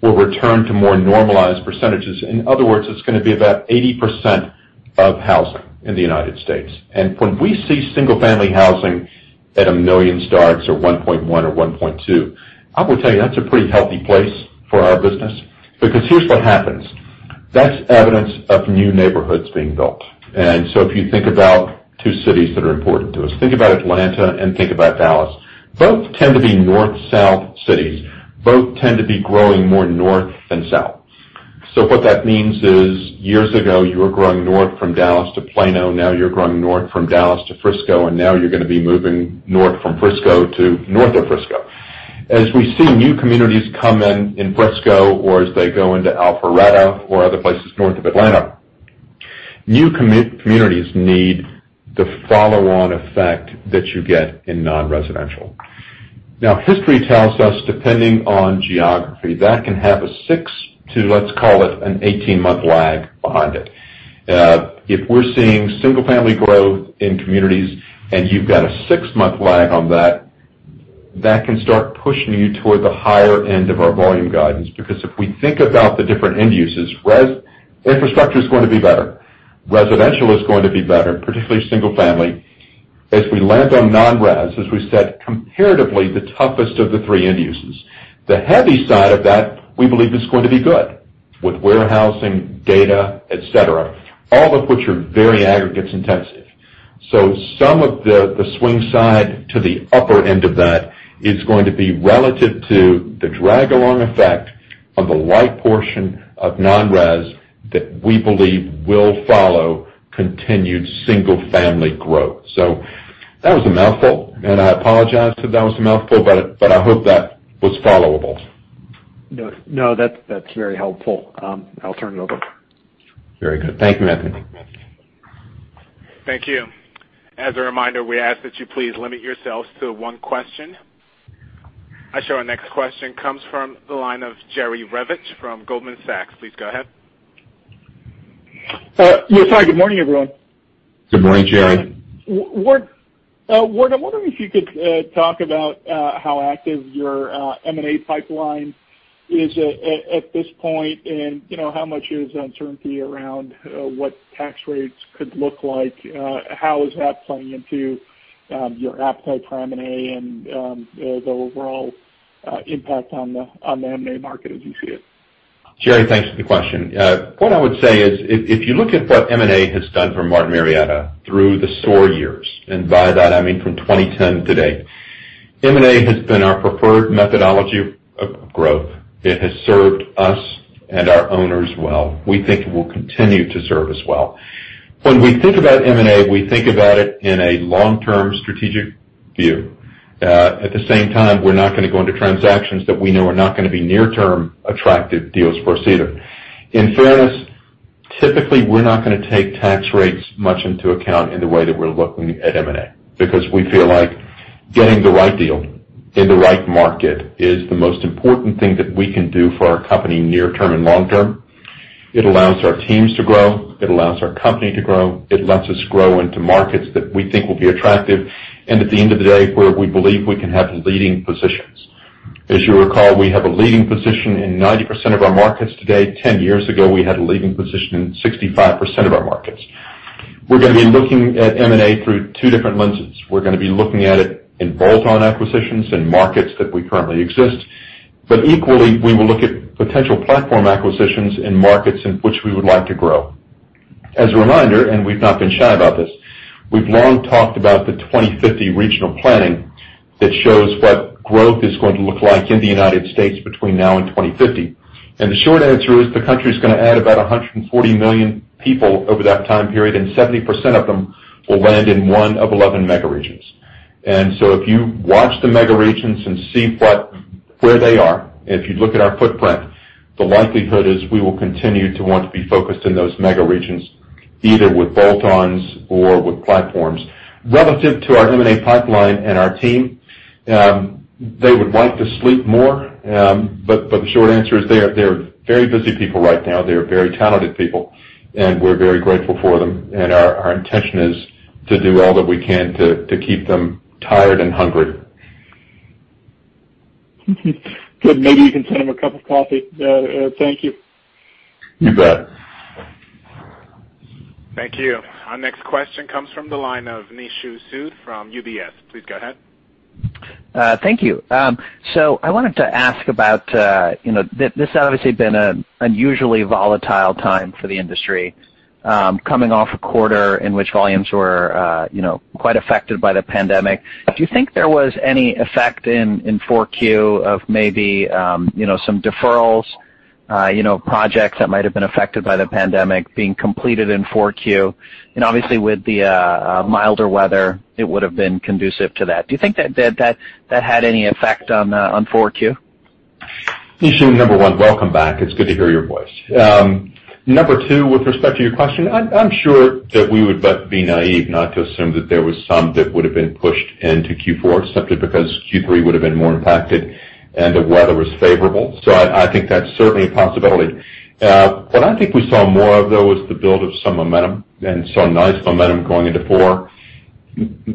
will return to more normalized percentage. In other words, it's going to be about 80% of housing in the U.S. When we see single-family housing at a million starts or 1.1 or 1.2, I will tell you, that's a pretty healthy place for our business. Because here's what happens. That's evidence of new neighborhoods being built. If you think about two cities that are important to us, think about Atlanta and think about Dallas. Both tend to be north-south cities. Both tend to be growing more north than south. What that means is, years ago, you were growing north from Dallas to Plano. Now you're growing north from Dallas to Frisco, and now you're going to be moving north from Frisco to north of Frisco. As we see new communities come in in Frisco, or as they go into Alpharetta or other places north of Atlanta, new communities need the follow-on effect that you get in non-residential. History tells us, depending on geography, that can have a six to, let's call it, an 18-month lag behind it. If we're seeing single-family growth in communities and you've got a six-month lag on that can start pushing you toward the higher end of our volume guidance. If we think about the different end uses, infrastructure is going to be better. Residential is going to be better, particularly single-family. As we land on non-residential, as we said, comparatively the toughest of the three end uses. The heavy side of that, we believe, is going to be good with warehousing, data, et cetera, all of which are very aggregates intensive. Some of the swing side to the upper end of that is going to be relative to the drag-along effect of the light portion of non-residential that we believe will follow continued single-family growth. That was a mouthful, and I apologize that that was a mouthful, but I hope that was followable. No, that's very helpful. I'll turn it over. Very good. Thank you, Anthony. Thank you. As a reminder, we ask that you please limit yourselves to one question. I show our next question comes from the line of Jerry Revich from Goldman Sachs. Please go ahead. Yeah, sorry. Good morning, everyone. Good morning, Jerry. Ward, I'm wondering if you could talk about how active your M&A pipeline is at this point, and how much is uncertainty around what tax rates could look like. How is that playing into your appetite for M&A and the overall impact on the M&A market as you see it? Jerry, thanks for the question. What I would say is, if you look at what M&A has done for Martin Marietta through the SOAR years, and by that I mean from 2010 today, M&A has been our preferred methodology of growth. It has served us and our owners well. We think it will continue to serve us well. When we think about M&A, we think about it in a long-term strategic view. At the same time, we're not going to go into transactions that we know are not going to be near-term attractive deals for us either. In fairness, typically, we're not going to take tax rates much into account in the way that we're looking at M&A because we feel like getting the right deal in the right market is the most important thing that we can do for our company near term and long term. It allows our teams to grow. It allows our company to grow. It lets us grow into markets that we think will be attractive, and at the end of the day, where we believe we can have leading positions. As you recall, we have a leading position in 90% of our markets today. 10 years ago, we had a leading position in 65% of our markets. We're going to be looking at M&A through two different lenses. We're going to be looking at it in bolt-on acquisitions in markets that we currently exist. Equally, we will look at potential platform acquisitions in markets in which we would like to grow. As a reminder, and we've not been shy about this, we've long talked about the 2050 regional planning that shows what growth is going to look like in the United States between now and 2050. The short answer is the country is going to add about 140 million people over that time period, and 70% of them will land in one of 11 mega regions. If you watch the mega regions and see where they are, if you look at our footprint, the likelihood is we will continue to want to be focused in those mega regions, either with bolt-ons or with platforms. Relative to our M&A pipeline and our team, they would like to sleep more, but the short answer is they're very busy people right now. They're very talented people, and we're very grateful for them. Our intention is to do all that we can to keep them tired and hungry. Good. Maybe you can send them a cup of coffee. Thank you. You bet. Thank you. Our next question comes from the line of Nishu Sood from UBS. Please go ahead. Thank you. I wanted to ask about this has obviously been an unusually volatile time for the industry. Coming off a quarter in which volumes were quite affected by the pandemic. Do you think there was any effect in Q4 of maybe some deferrals, projects that might have been affected by the pandemic being completed in Q4? obviously, with the milder weather, it would have been conducive to that. Do you think that had any effect on Q4? Nishu, number one, welcome back. It's good to hear your voice. Number two, with respect to your question, I'm sure that we would but be naive not to assume that there was some that would've been pushed into Q4 simply because Q3 would've been more impacted and the weather was favorable. I think that's certainly a possibility. What I think we saw more of, though, was the build of some momentum and some nice momentum going into Q4.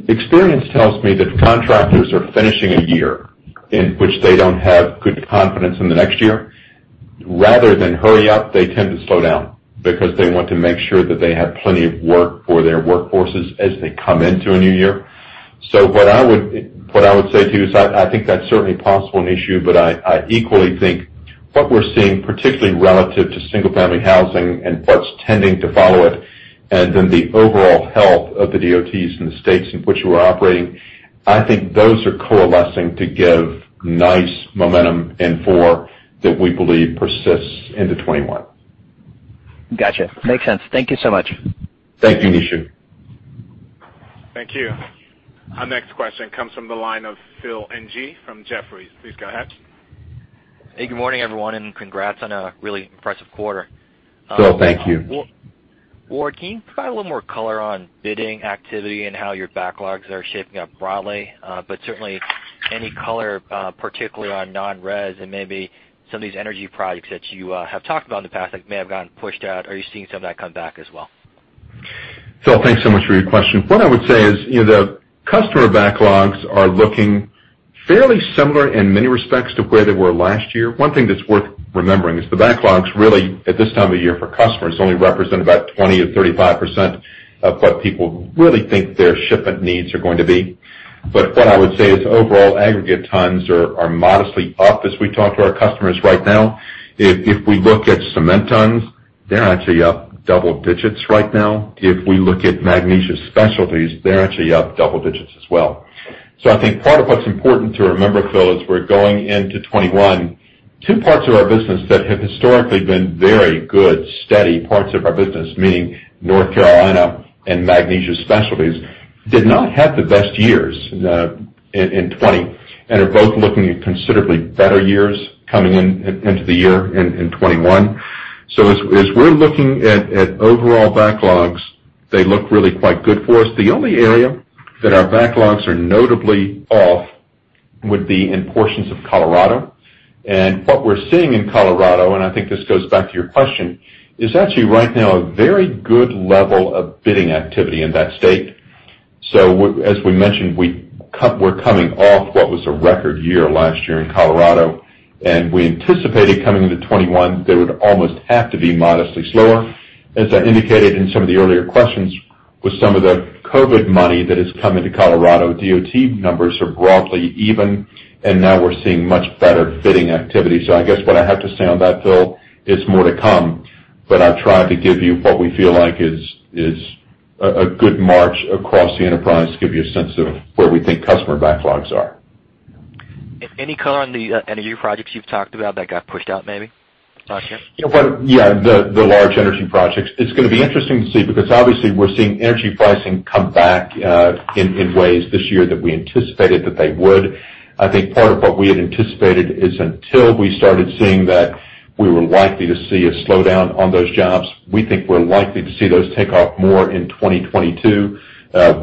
Experience tells me that contractors are finishing a year in which they don't have good confidence in the next year. Rather than hurry up, they tend to slow down because they want to make sure that they have plenty of work for their workforces as they come into a new year. What I would say to you is I think that's certainly a possible issue, but I equally think what we're seeing, particularly relative to single-family housing and parts tending to follow it, and then the overall health of the DOTs in the states in which we're operating, I think those are coalescing to give nice momentum in Q4 that we believe persists into 2021. Got you. Makes sense. Thank you so much. Thank you, Nishu. Thank you. Our next question comes from the line of Phil Ng from Jefferies. Please go ahead. Hey, good morning, everyone, and congrats on a really impressive quarter. Phil, thank you. Howard, can you provide a little more color on bidding activity and how your backlogs are shaping up broadly? Certainly any color, particularly on non-residential and maybe some of these energy projects that you have talked about in the past that may have gotten pushed out. Are you seeing some of that come back as well? Phil, thanks so much for your question. What I would say is the customer backlogs are looking fairly similar in many respects to where they were last year. One thing that's worth remembering is the backlogs really, at this time of year for customers, only represent about 20%-35% of what people really think their shipment needs are going to be. What I would say is overall aggregate tons are modestly up as we talk to our customers right now. If we look at cement tons, they're actually up double digits right now. If we look at Magnesia Specialties, they're actually up double digits as well. I think part of what's important to remember, Phil, as we're going into 2021, two parts of our business that have historically been very good, steady parts of our business, meaning North Carolina and Magnesia Specialties, did not have the best years in 2020, and are both looking at considerably better years coming into the year in 2021. As we're looking at overall backlogs, they look really quite good for us. The only area that our backlogs are notably off would be in portions of Colorado. What we're seeing in Colorado, and I think this goes back to your question, is actually right now a very good level of bidding activity in that state. As we mentioned, we're coming off what was a record year last year in Colorado, and we anticipated coming into 2021, they would almost have to be modestly slower. As I indicated in some of the earlier questions, with some of the COVID money that has come into Colorado, DOT numbers are broadly even, and now we're seeing much better bidding activity. I guess what I have to say on that, Phil, is more to come, but I've tried to give you what we feel like is a good march across the enterprise to give you a sense of where we think customer backlogs are. Any color on the energy projects you've talked about that got pushed out, maybe? Got you. The large energy projects. It's going to be interesting to see because obviously we're seeing energy pricing come back in ways this year that we anticipated that they would. I think part of what we had anticipated is until we started seeing that we were likely to see a slowdown on those jobs. We think we're likely to see those take off more in 2022.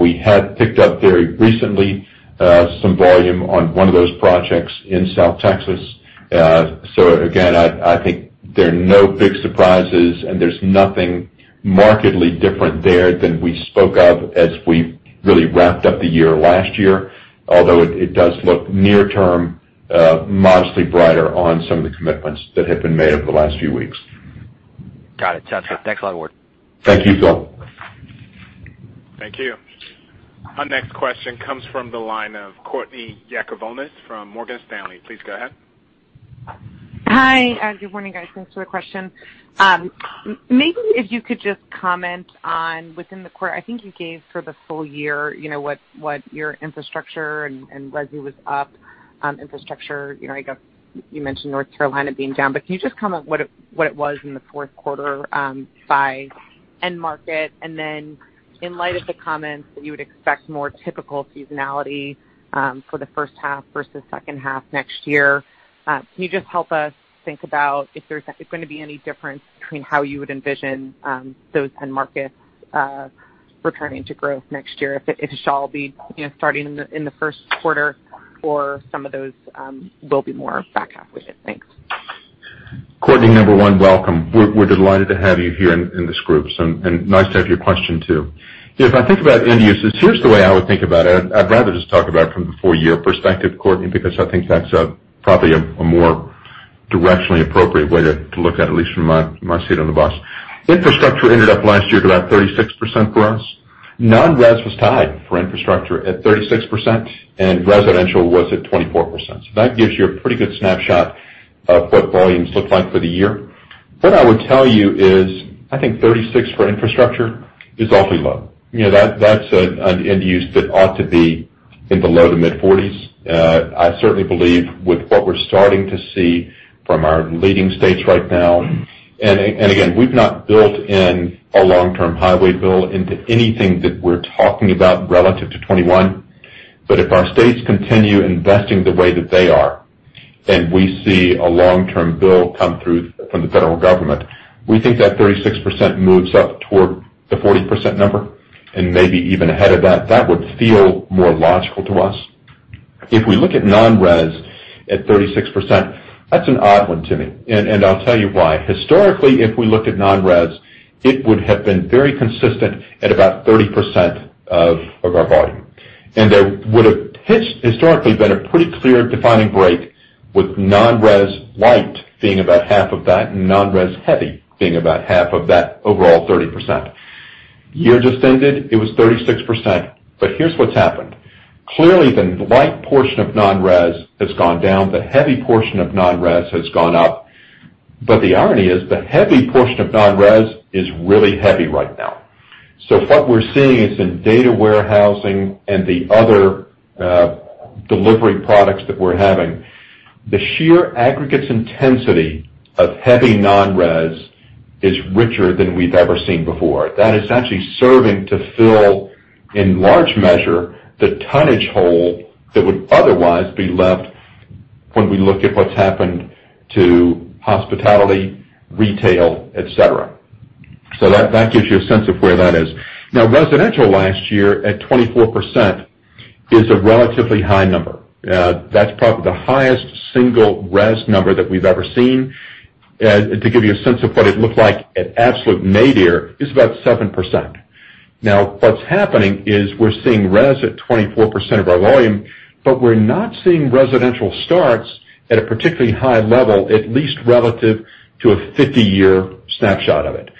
We had picked up very recently some volume on one of those projects in South Texas. Again, I think there are no big surprises, and there's nothing markedly different there than we spoke of as we really wrapped up the year last year. It does look near term, modestly brighter on some of the commitments that have been made over the last few weeks. Got it. Sounds good. Thanks a lot, Howard. Thank you, Phil. Thank you. Our next question comes from the line of Courtney Yakavonis from Morgan Stanley. Please go ahead. Hi, good morning, guys. Thanks for the question. Maybe if you could just comment on within the quarter, I think you gave for the full year what your infrastructure and residential was up. Infrastructure, I guess you mentioned North Carolina being down, but can you just comment what it was in the fourth quarter by end market? In light of the comments that you would expect more typical seasonality for the first half versus second half next year, can you just help us think about if there's going to be any difference between how you would envision those end markets returning to growth next year? If it shall be starting in the first quarter or some of those will be more back half weighted. Thanks. Courtney, number one, welcome. We're delighted to have you here in this group, nice to have your question, too. If I think about end uses, here's the way I would think about it. I'd rather just talk about it from the full year perspective, Courtney, because I think that's probably a more directionally appropriate way to look at least from my seat on the bus. Infrastructure ended up last year at about 36% for us. Non-residential was tied for infrastructure at 36%, residential was at 24%. That gives you a pretty good snapshot of what volumes look like for the year. What I would tell you is I think 36% for infrastructure is awfully low. That's an end use that ought to be in the low to mid-40s%. I certainly believe with what we're starting to see from our leading states right now, and again, we've not built in a long-term highway bill into anything that we're talking about relative to 2021. If our states continue investing the way that they are, and we see a long-term bill come through from the federal government, we think that 36% moves up toward the 40% number, and maybe even ahead of that. That would feel more logical to us. If we look at non-residential at 36%, that's an odd one to me, and I'll tell you why. Historically, if we looked at non-residential, it would have been very consistent at about 30% of our volume. There would've historically been a pretty clear defining break with non-residential light being about half of that, and non-residential heavy being about half of that overall 30%. Year just ended, it was 36%, but here's what's happened. Clearly, the light portion of non-residential has gone down. The heavy portion of non-residential has gone up. The irony is the heavy portion of non-residential is really heavy right now. What we're seeing is in data warehousing and the other delivery products that we're having, the sheer aggregate intensity of heavy non-residential is richer than we've ever seen before. That is actually serving to fill, in large measure, the tonnage hole that would otherwise be left when we look at what's happened to hospitality, retail, et cetera. That gives you a sense of where that is. Now, residential last year at 24% is a relatively high number. That's probably the highest single residential number that we've ever seen. To give you a sense of what it looked like at absolute nadir, it's about 7%. What's happening is we're seeing residential at 24% of our volume, but we're not seeing residential starts at a particularly high level, at least relative to a 50-year snapshot of it.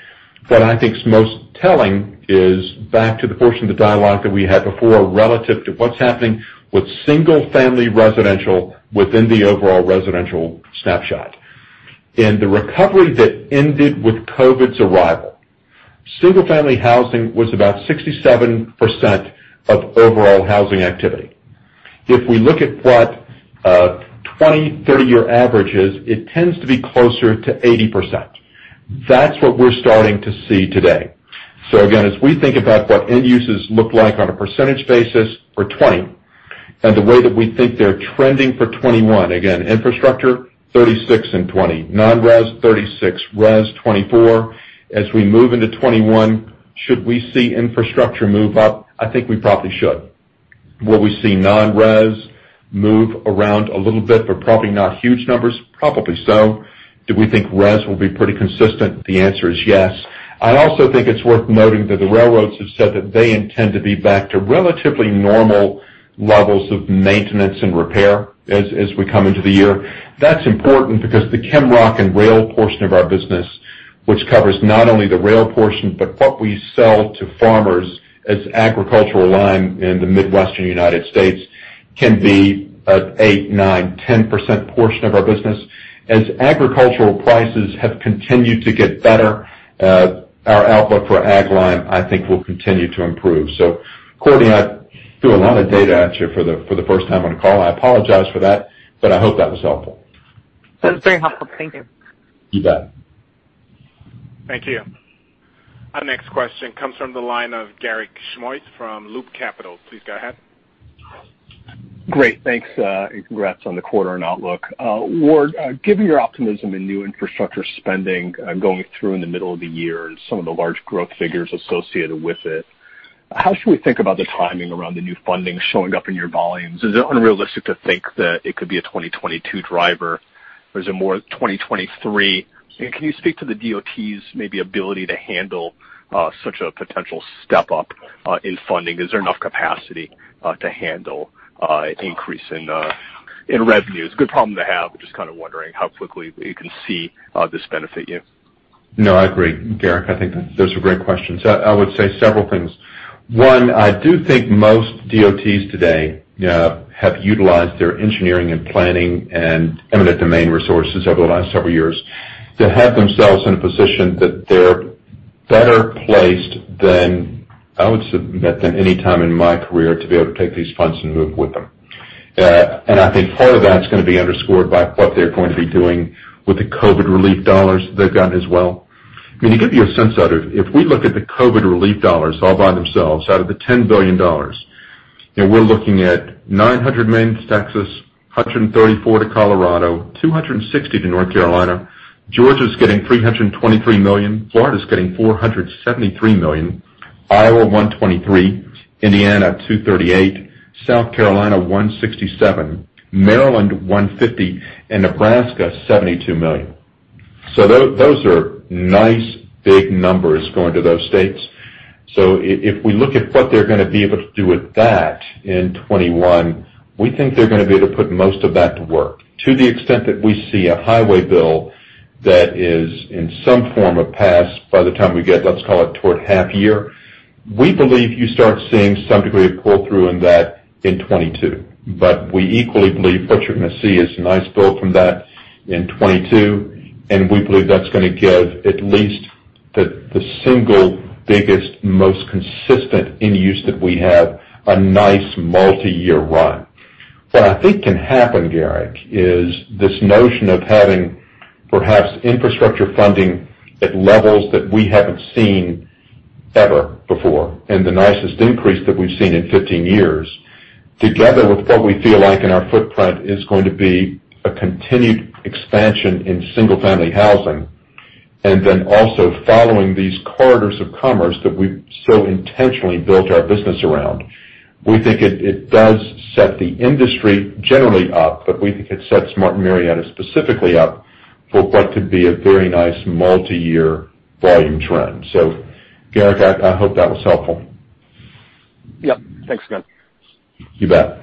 What I think is most telling is back to the portion of the dialogue that we had before relative to what's happening with single-family residential within the overall residential snapshot. In the recovery that ended with COVID-19's arrival, single-family housing was about 67% of overall housing activity. If we look at what a 20, 30-year average is, it tends to be closer to 80%. That's what we're starting to see today. Again, as we think about what end uses look like on a percentage basis for 2020, and the way that we think they're trending for 2021, again, infrastructure 36% in 2020, non-residential 36%, residential 24%. As we move into 2021, should we see infrastructure move up? I think we probably should. Will we see non-residential move around a little bit, but probably not huge numbers? Probably so. Do we think residential will be pretty consistent? The answer is yes. I also think it's worth noting that the railroads have said that they intend to be back to relatively normal levels of maintenance and repair as we come into the year. That's important because the ChemRock and rail portion of our business, which covers not only the rail portion, but what we sell to farmers as agricultural lime in the Midwestern U.S., can be an 8%, 9%, 10% portion of our business. As agricultural prices have continued to get better, our outlook for ag lime, I think, will continue to improve. Courtney, I threw a lot of data at you for the first time on a call. I apologize for that, but I hope that was helpful. That was very helpful. Thank you. You bet. Thank you. Our next question comes from the line of Garik Shmois from Loop Capital. Please go ahead. Great. Thanks, congrats on the quarter and outlook. Howard, given your optimism in new infrastructure spending going through in the middle of the year and some of the large growth figures associated with it, how should we think about the timing around the new funding showing up in your volumes? Is it unrealistic to think that it could be a 2022 driver, is it more 2023? Can you speak to the DOTs' maybe ability to handle such a potential step up in funding? Is there enough capacity to handle increase in revenues? Good problem to have, just kind of wondering how quickly we can see this benefit you. No, I agree, Garik. I think those are great questions. I would say several things. One, I do think most DOTs today have utilized their engineering and planning and eminent domain resources over the last several years to have themselves in a position that they're better placed than, I would submit, than any time in my career to be able to take these funds and move with them. I think part of that is gonna be underscored by what they're going to be doing with the COVID relief dollars they've gotten as well. To give you a sense of it, if we look at the COVID relief dollars all by themselves, out of the $10 billion, we're looking at $900 million to Texas, $134 million to Colorado, $260 million to North Carolina. Georgia's getting $323 million. Florida's getting $473 million. Iowa, $123 million. Indiana, $238. South Carolina, $167 million. Maryland, $150 million, and Nebraska, $72 million. Those are nice, big numbers going to those states. If we look at what they're gonna be able to do with that in 2021, we think they're gonna be able to put most of that to work. To the extent that we see a highway bill that is in some form or passed by the time we get, let's call it toward half year, we believe you start seeing some degree of pull-through in that in 2022. We equally believe what you're gonna see is a nice build from that in 2022, and we believe that's gonna give at least the single biggest, most consistent end use that we have a nice multi-year run. What I think can happen, Garik, is this notion of having perhaps infrastructure funding at levels that we haven't seen ever before, and the nicest increase that we've seen in 15 years, together with what we feel like in our footprint is going to be a continued expansion in single-family housing. Also following these corridors of commerce that we've so intentionally built our business around. We think it does set the industry generally up, but we think it sets Martin Marietta Materials specifically up for what could be a very nice multi-year volume trend. Garik, I hope that was helpful. Yep. Thanks, Howard. You bet.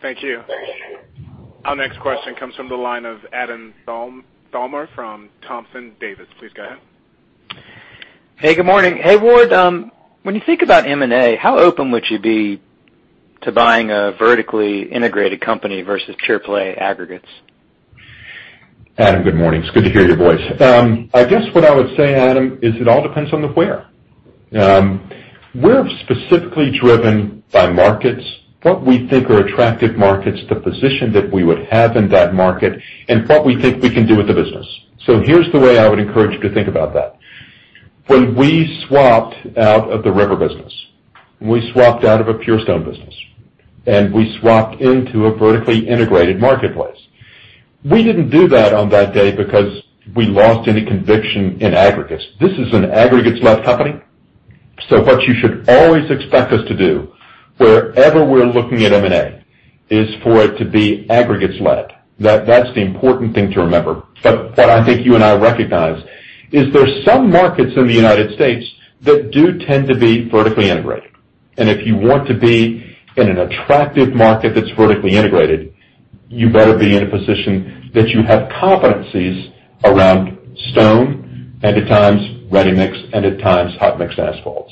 Thank you. Our next question comes from the line of Adam Thalhimer from Thompson Davis. Please go ahead. Hey, good morning. Hey, Howard. When you think about M&A, how open would you be to buying a vertically integrated company versus pure-play aggregates? Adam, good morning. It's good to hear your voice. I guess what I would say, Adam, is it all depends on the where. We're specifically driven by markets, what we think are attractive markets, the position that we would have in that market, and what we think we can do with the business. Here's the way I would encourage you to think about that. When we swapped out of the river business, when we swapped out of a pure stone business, and we swapped into a vertically integrated marketplace, we didn't do that on that day because we lost any conviction in aggregates. This is an aggregates-led company. What you should always expect us to do, wherever we're looking at M&A, is for it to be aggregates led. That's the important thing to remember. What I think you and I recognize is there's some markets in the United States that do tend to be vertically integrated. If you want to be in an attractive market that's vertically integrated, you better be in a position that you have competencies around stone and at times ready mix and at times hot mix asphalt.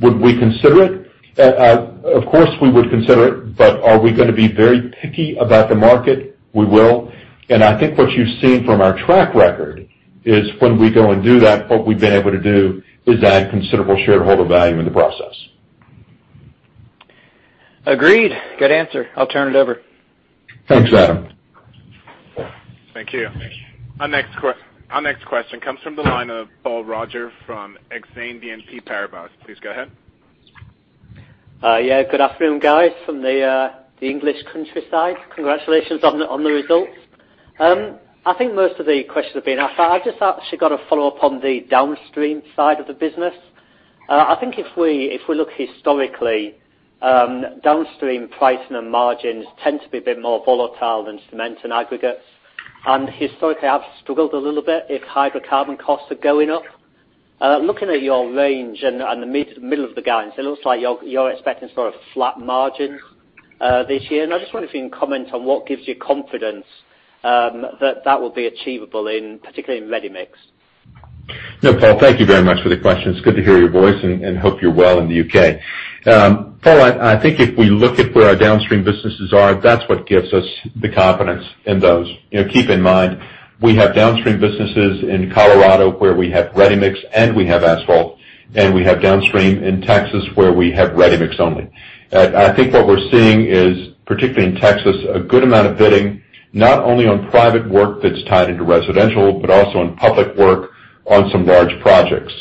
Would we consider it? Of course, we would consider it, but are we going to be very picky about the market? We will. I think what you've seen from our track record is when we go and do that, what we've been able to do is add considerable shareholder value in the process. Agreed. Good answer. I'll turn it over. Thanks, Adam. Thank you. Our next question comes from the line of Paul Roger from BNP Paribas Exane. Please go ahead. Yeah, good afternoon, guys, from the English countryside. Congratulations on the results. I think most of the questions have been asked. I've just actually got a follow-up on the downstream side of the business. I think if we look historically, downstream pricing and margins tend to be a bit more volatile than cement and aggregates. Historically, I've struggled a little bit if hydrocarbon costs are going up. Looking at your range and the middle of the guidance, it looks like you're expecting sort of flat margins this year. I just wonder if you can comment on what gives you confidence that that will be achievable, particularly in ready mix. No, Paul, thank you very much for the question. It's good to hear your voice and hope you're well in the U.K. Paul, I think if we look at where our downstream businesses are, that's what gives us the confidence in those. Keep in mind, we have downstream businesses in Colorado where we have ready mix and we have asphalt, and we have downstream in Texas where we have ready mix only. I think what we're seeing is, particularly in Texas, a good amount of bidding, not only on private work that's tied into residential, but also on public work on some large projects.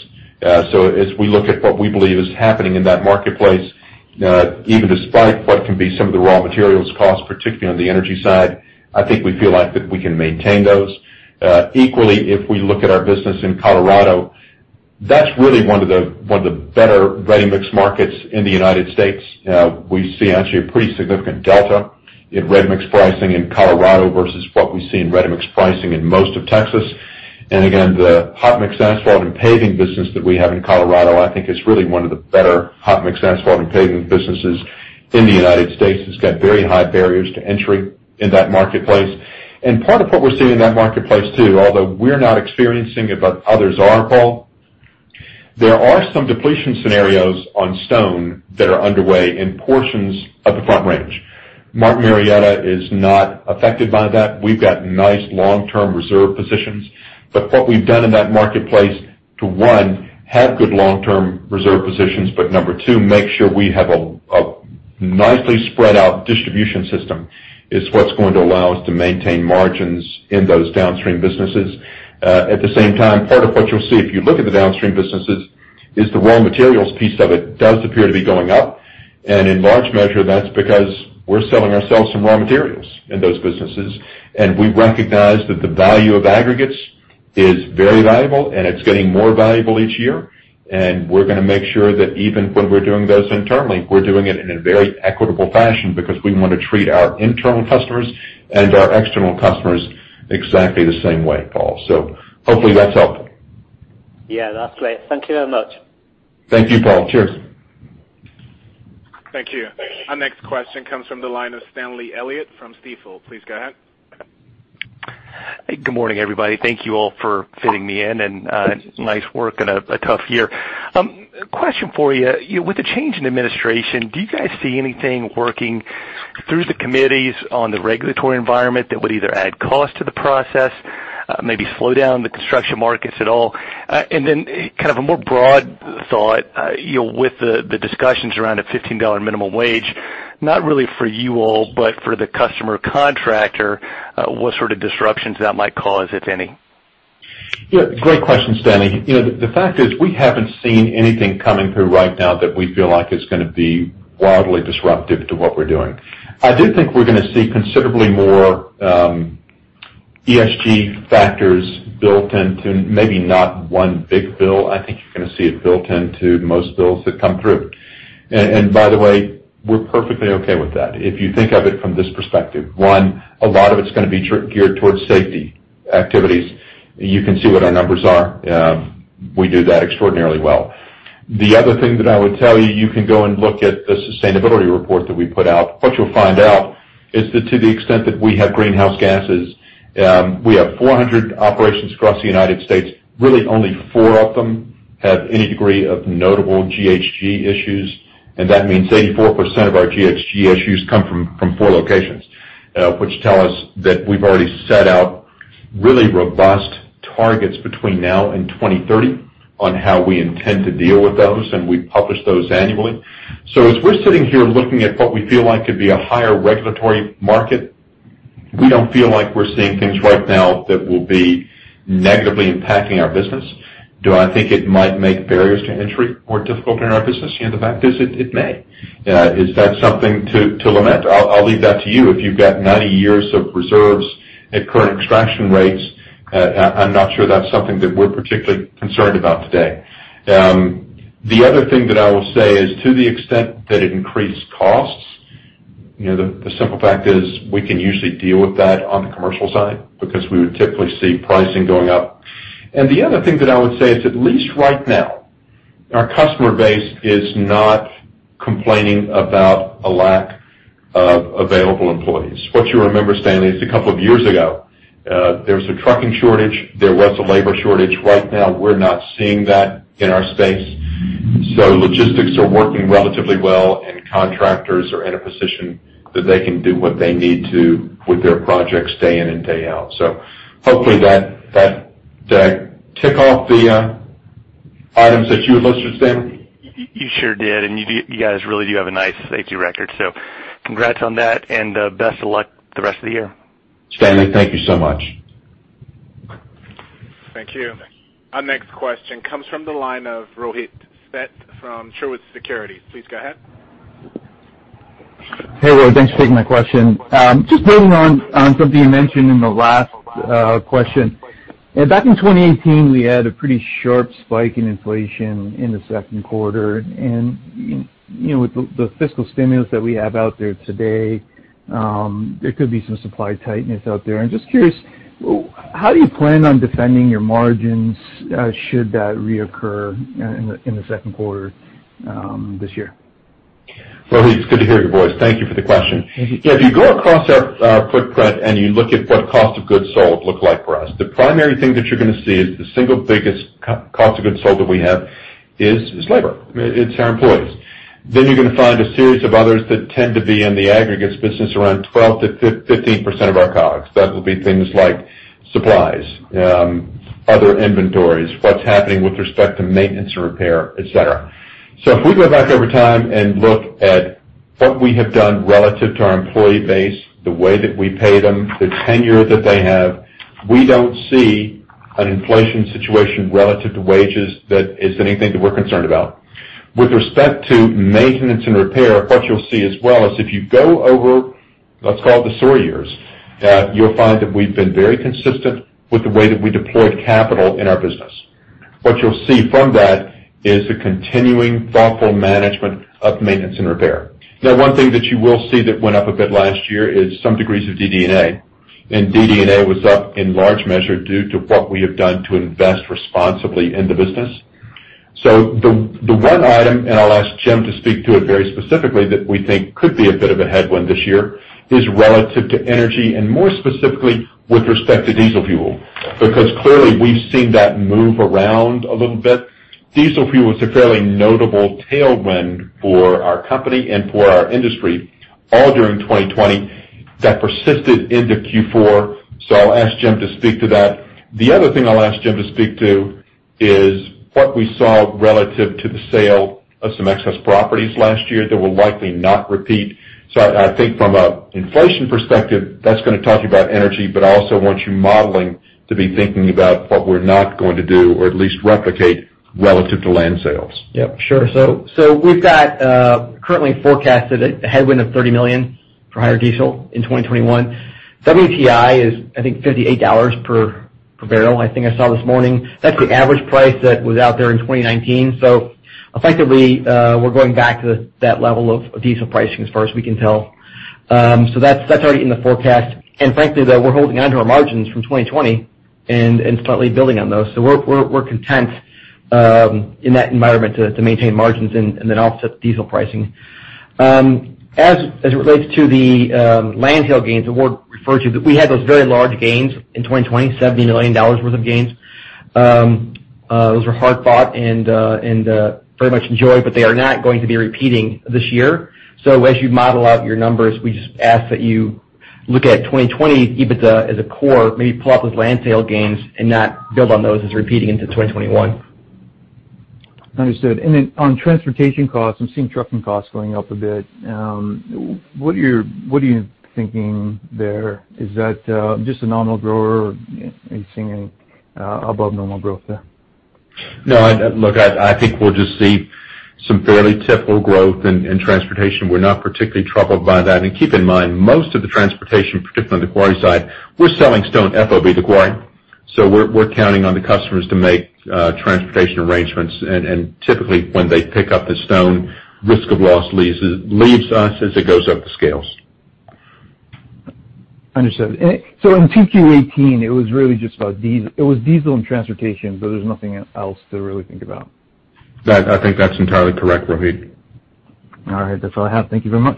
As we look at what we believe is happening in that marketplace, even despite what can be some of the raw materials costs, particularly on the energy side, I think we feel like that we can maintain those. Equally, if we look at our business in Colorado, that's really one of the better ready mix markets in the United States. We see actually a pretty significant delta in ready mix pricing in Colorado versus what we see in ready mix pricing in most of Texas. Again, the hot mix asphalt and paving business that we have in Colorado, I think, is really one of the better hot mix asphalt and paving businesses in the United States. It's got very high barriers to entry in that marketplace. Part of what we're seeing in that marketplace, too, although we're not experiencing it, but others are, Paul, there are some depletion scenarios on stone that are underway in portions of the Front Range. Martin Marietta is not affected by that. We've got nice long-term reserve positions. What we've done in that marketplace to, one, have good long-term reserve positions, but number two, make sure we have a nicely spread out distribution system is what's going to allow us to maintain margins in those downstream businesses. At the same time, part of what you'll see if you look at the downstream businesses is the raw materials piece of it does appear to be going up. In large measure, that's because we're selling ourselves some raw materials in those businesses, and we recognize that the value of aggregates is very valuable, and it's getting more valuable each year. We're going to make sure that even when we're doing those internally, we're doing it in a very equitable fashion because we want to treat our internal customers and our external customers exactly the same way, Paul. Hopefully that's helpful. Yeah, that's great. Thank you very much. Thank you, Paul. Cheers. Thank you. Our next question comes from the line of Stanley Elliott from Stifel. Please go ahead. Good morning, everybody. Thank you all for fitting me in and nice work in a tough year. Question for you. With the change in administration, do you guys see anything working through the committees on the regulatory environment that would either add cost to the process, maybe slow down the construction markets at all? Kind of a more broad thought, with the discussions around a $15 minimum wage, not really for you all, but for the customer contractor, what sort of disruptions that might cause, if any? Yeah, great question, Stanley. The fact is we haven't seen anything coming through right now that we feel like is going to be wildly disruptive to what we're doing. I do think we're going to see considerably more ESG factors built into maybe not one big bill. I think you're going to see it built into most bills that come through. By the way, we're perfectly okay with that. If you think of it from this perspective, one, a lot of it's going to be geared towards safety activities. You can see what our numbers are. We do that extraordinarily well. The other thing that I would tell you can go and look at the sustainability report that we put out. What you'll find out is that to the extent that we have greenhouse gases, we have 400 operations across the U.S., really only four of them have any degree of notable GHG issues, and that means 84% of our GHG issues come from four locations, which tell us that we've already set out really robust targets between now and 2030 on how we intend to deal with those, and we publish those annually. As we're sitting here looking at what we feel like could be a higher regulatory market, we don't feel like we're seeing things right now that will be negatively impacting our business. Do I think it might make barriers to entry more difficult in our business? The fact is, it may. Is that something to lament? I'll leave that to you. If you've got 90 years of reserves at current extraction rates, I'm not sure that's something that we're particularly concerned about today. The other thing that I will say is to the extent that it increased costs, the simple fact is we can usually deal with that on the commercial side because we would typically see pricing going up. The other thing that I would say is, at least right now, our customer base is not complaining about a lack of available employees. What you remember, Stanley, is a couple of years ago, there was a trucking shortage, there was a labor shortage. Right now, we're not seeing that in our space. Logistics are working relatively well, and contractors are in a position that they can do what they need to with their projects day in and day out. Hopefully that tick off the items that you had listed, Stanley. You sure did. You guys really do have a nice safety record. Congrats on that and best of luck the rest of the year. Stanley, thank you so much. Thank you. Our next question comes from the line of Rohit Seth from Truist Securities. Please go ahead. Hey, Roy. Thanks for taking my question. Just building on something you mentioned in the last question. Back in 2018, we had a pretty sharp spike in inflation in the second quarter. With the fiscal stimulus that we have out there today, there could be some supply tightness out there. I'm just curious, how do you plan on defending your margins should that reoccur in the second quarter this year? Rohit, it's good to hear your voice. Thank you for the question. Thank you. If you go across our footprint and you look at what cost of goods sold look like for us, the primary thing that you're going to see is the single biggest cost of goods sold that we have is labor. It's our employees. You're going to find a series of others that tend to be in the aggregates business around 12%-15% of our COGS. That will be things like supplies, other inventories, what's happening with respect to maintenance and repair, et cetera. If we go back over time and look at what we have done relative to our employee base, the way that we pay them, the tenure that they have, we don't see an inflation situation relative to wages that is anything that we're concerned about. With respect to maintenance and repair, what you'll see as well is if you go over, let's call it the SOAR years, you'll find that we've been very consistent with the way that we deployed capital in our business. What you'll see from that is the continuing thoughtful management of maintenance and repair. One thing that you will see that went up a bit last year is some degrees of DD&A, and DD&A was up in large measure due to what we have done to invest responsibly in the business. The one item, and I'll ask Jim to speak to it very specifically, that we think could be a bit of a headwind this year is relative to energy and more specifically with respect to diesel fuel, because clearly we've seen that move around a little bit. Diesel fuel was a fairly notable tailwind for our company and for our industry all during 2020 that persisted into Q4. I'll ask Jim to speak to that. The other thing I'll ask Jim to speak to is what we saw relative to the sale of some excess properties last year that will likely not repeat. I think from an inflation perspective, that's going to talk about energy, but I also want you modeling to be thinking about what we're not going to do or at least replicate relative to land sales. Yep, sure. We've got currently forecasted a headwind of $30 million for higher diesel in 2021. WTI is, I think, $58 per barrel, I think I saw this morning. That's the average price that was out there in 2019. Effectively, we're going back to that level of diesel pricing as far as we can tell. That's already in the forecast. Frankly, we're holding onto our margins from 2020 and slightly building on those. We're content in that environment to maintain margins and then offset diesel pricing. As it relates to the land sale gains that were referred to, we had those very large gains in 2020, $70 million worth of gains. Those were hard fought and very much enjoyed, but they are not going to be repeating this year. As you model out your numbers, we just ask that you look at 2020 EBITDA as a core, maybe pull up those land sale gains, and not build on those as repeating into 2021. Understood. On transportation costs, I'm seeing trucking costs going up a bit. What are you thinking there? Is that just a normal growth or are you seeing any above normal growth there? No, look, I think we'll just see some fairly typical growth in transportation. We're not particularly troubled by that. Keep in mind, most of the transportation, particularly on the quarry side, we're selling stone FOB, the quarry. We're counting on the customers to make transportation arrangements. Typically, when they pick up the stone, risk of loss leaves us as it goes up the scales. Understood. In Q2 2018, it was diesel and transportation, but there's nothing else to really think about. I think that's entirely correct, Rohit. All right. That's all I have. Thank you very much.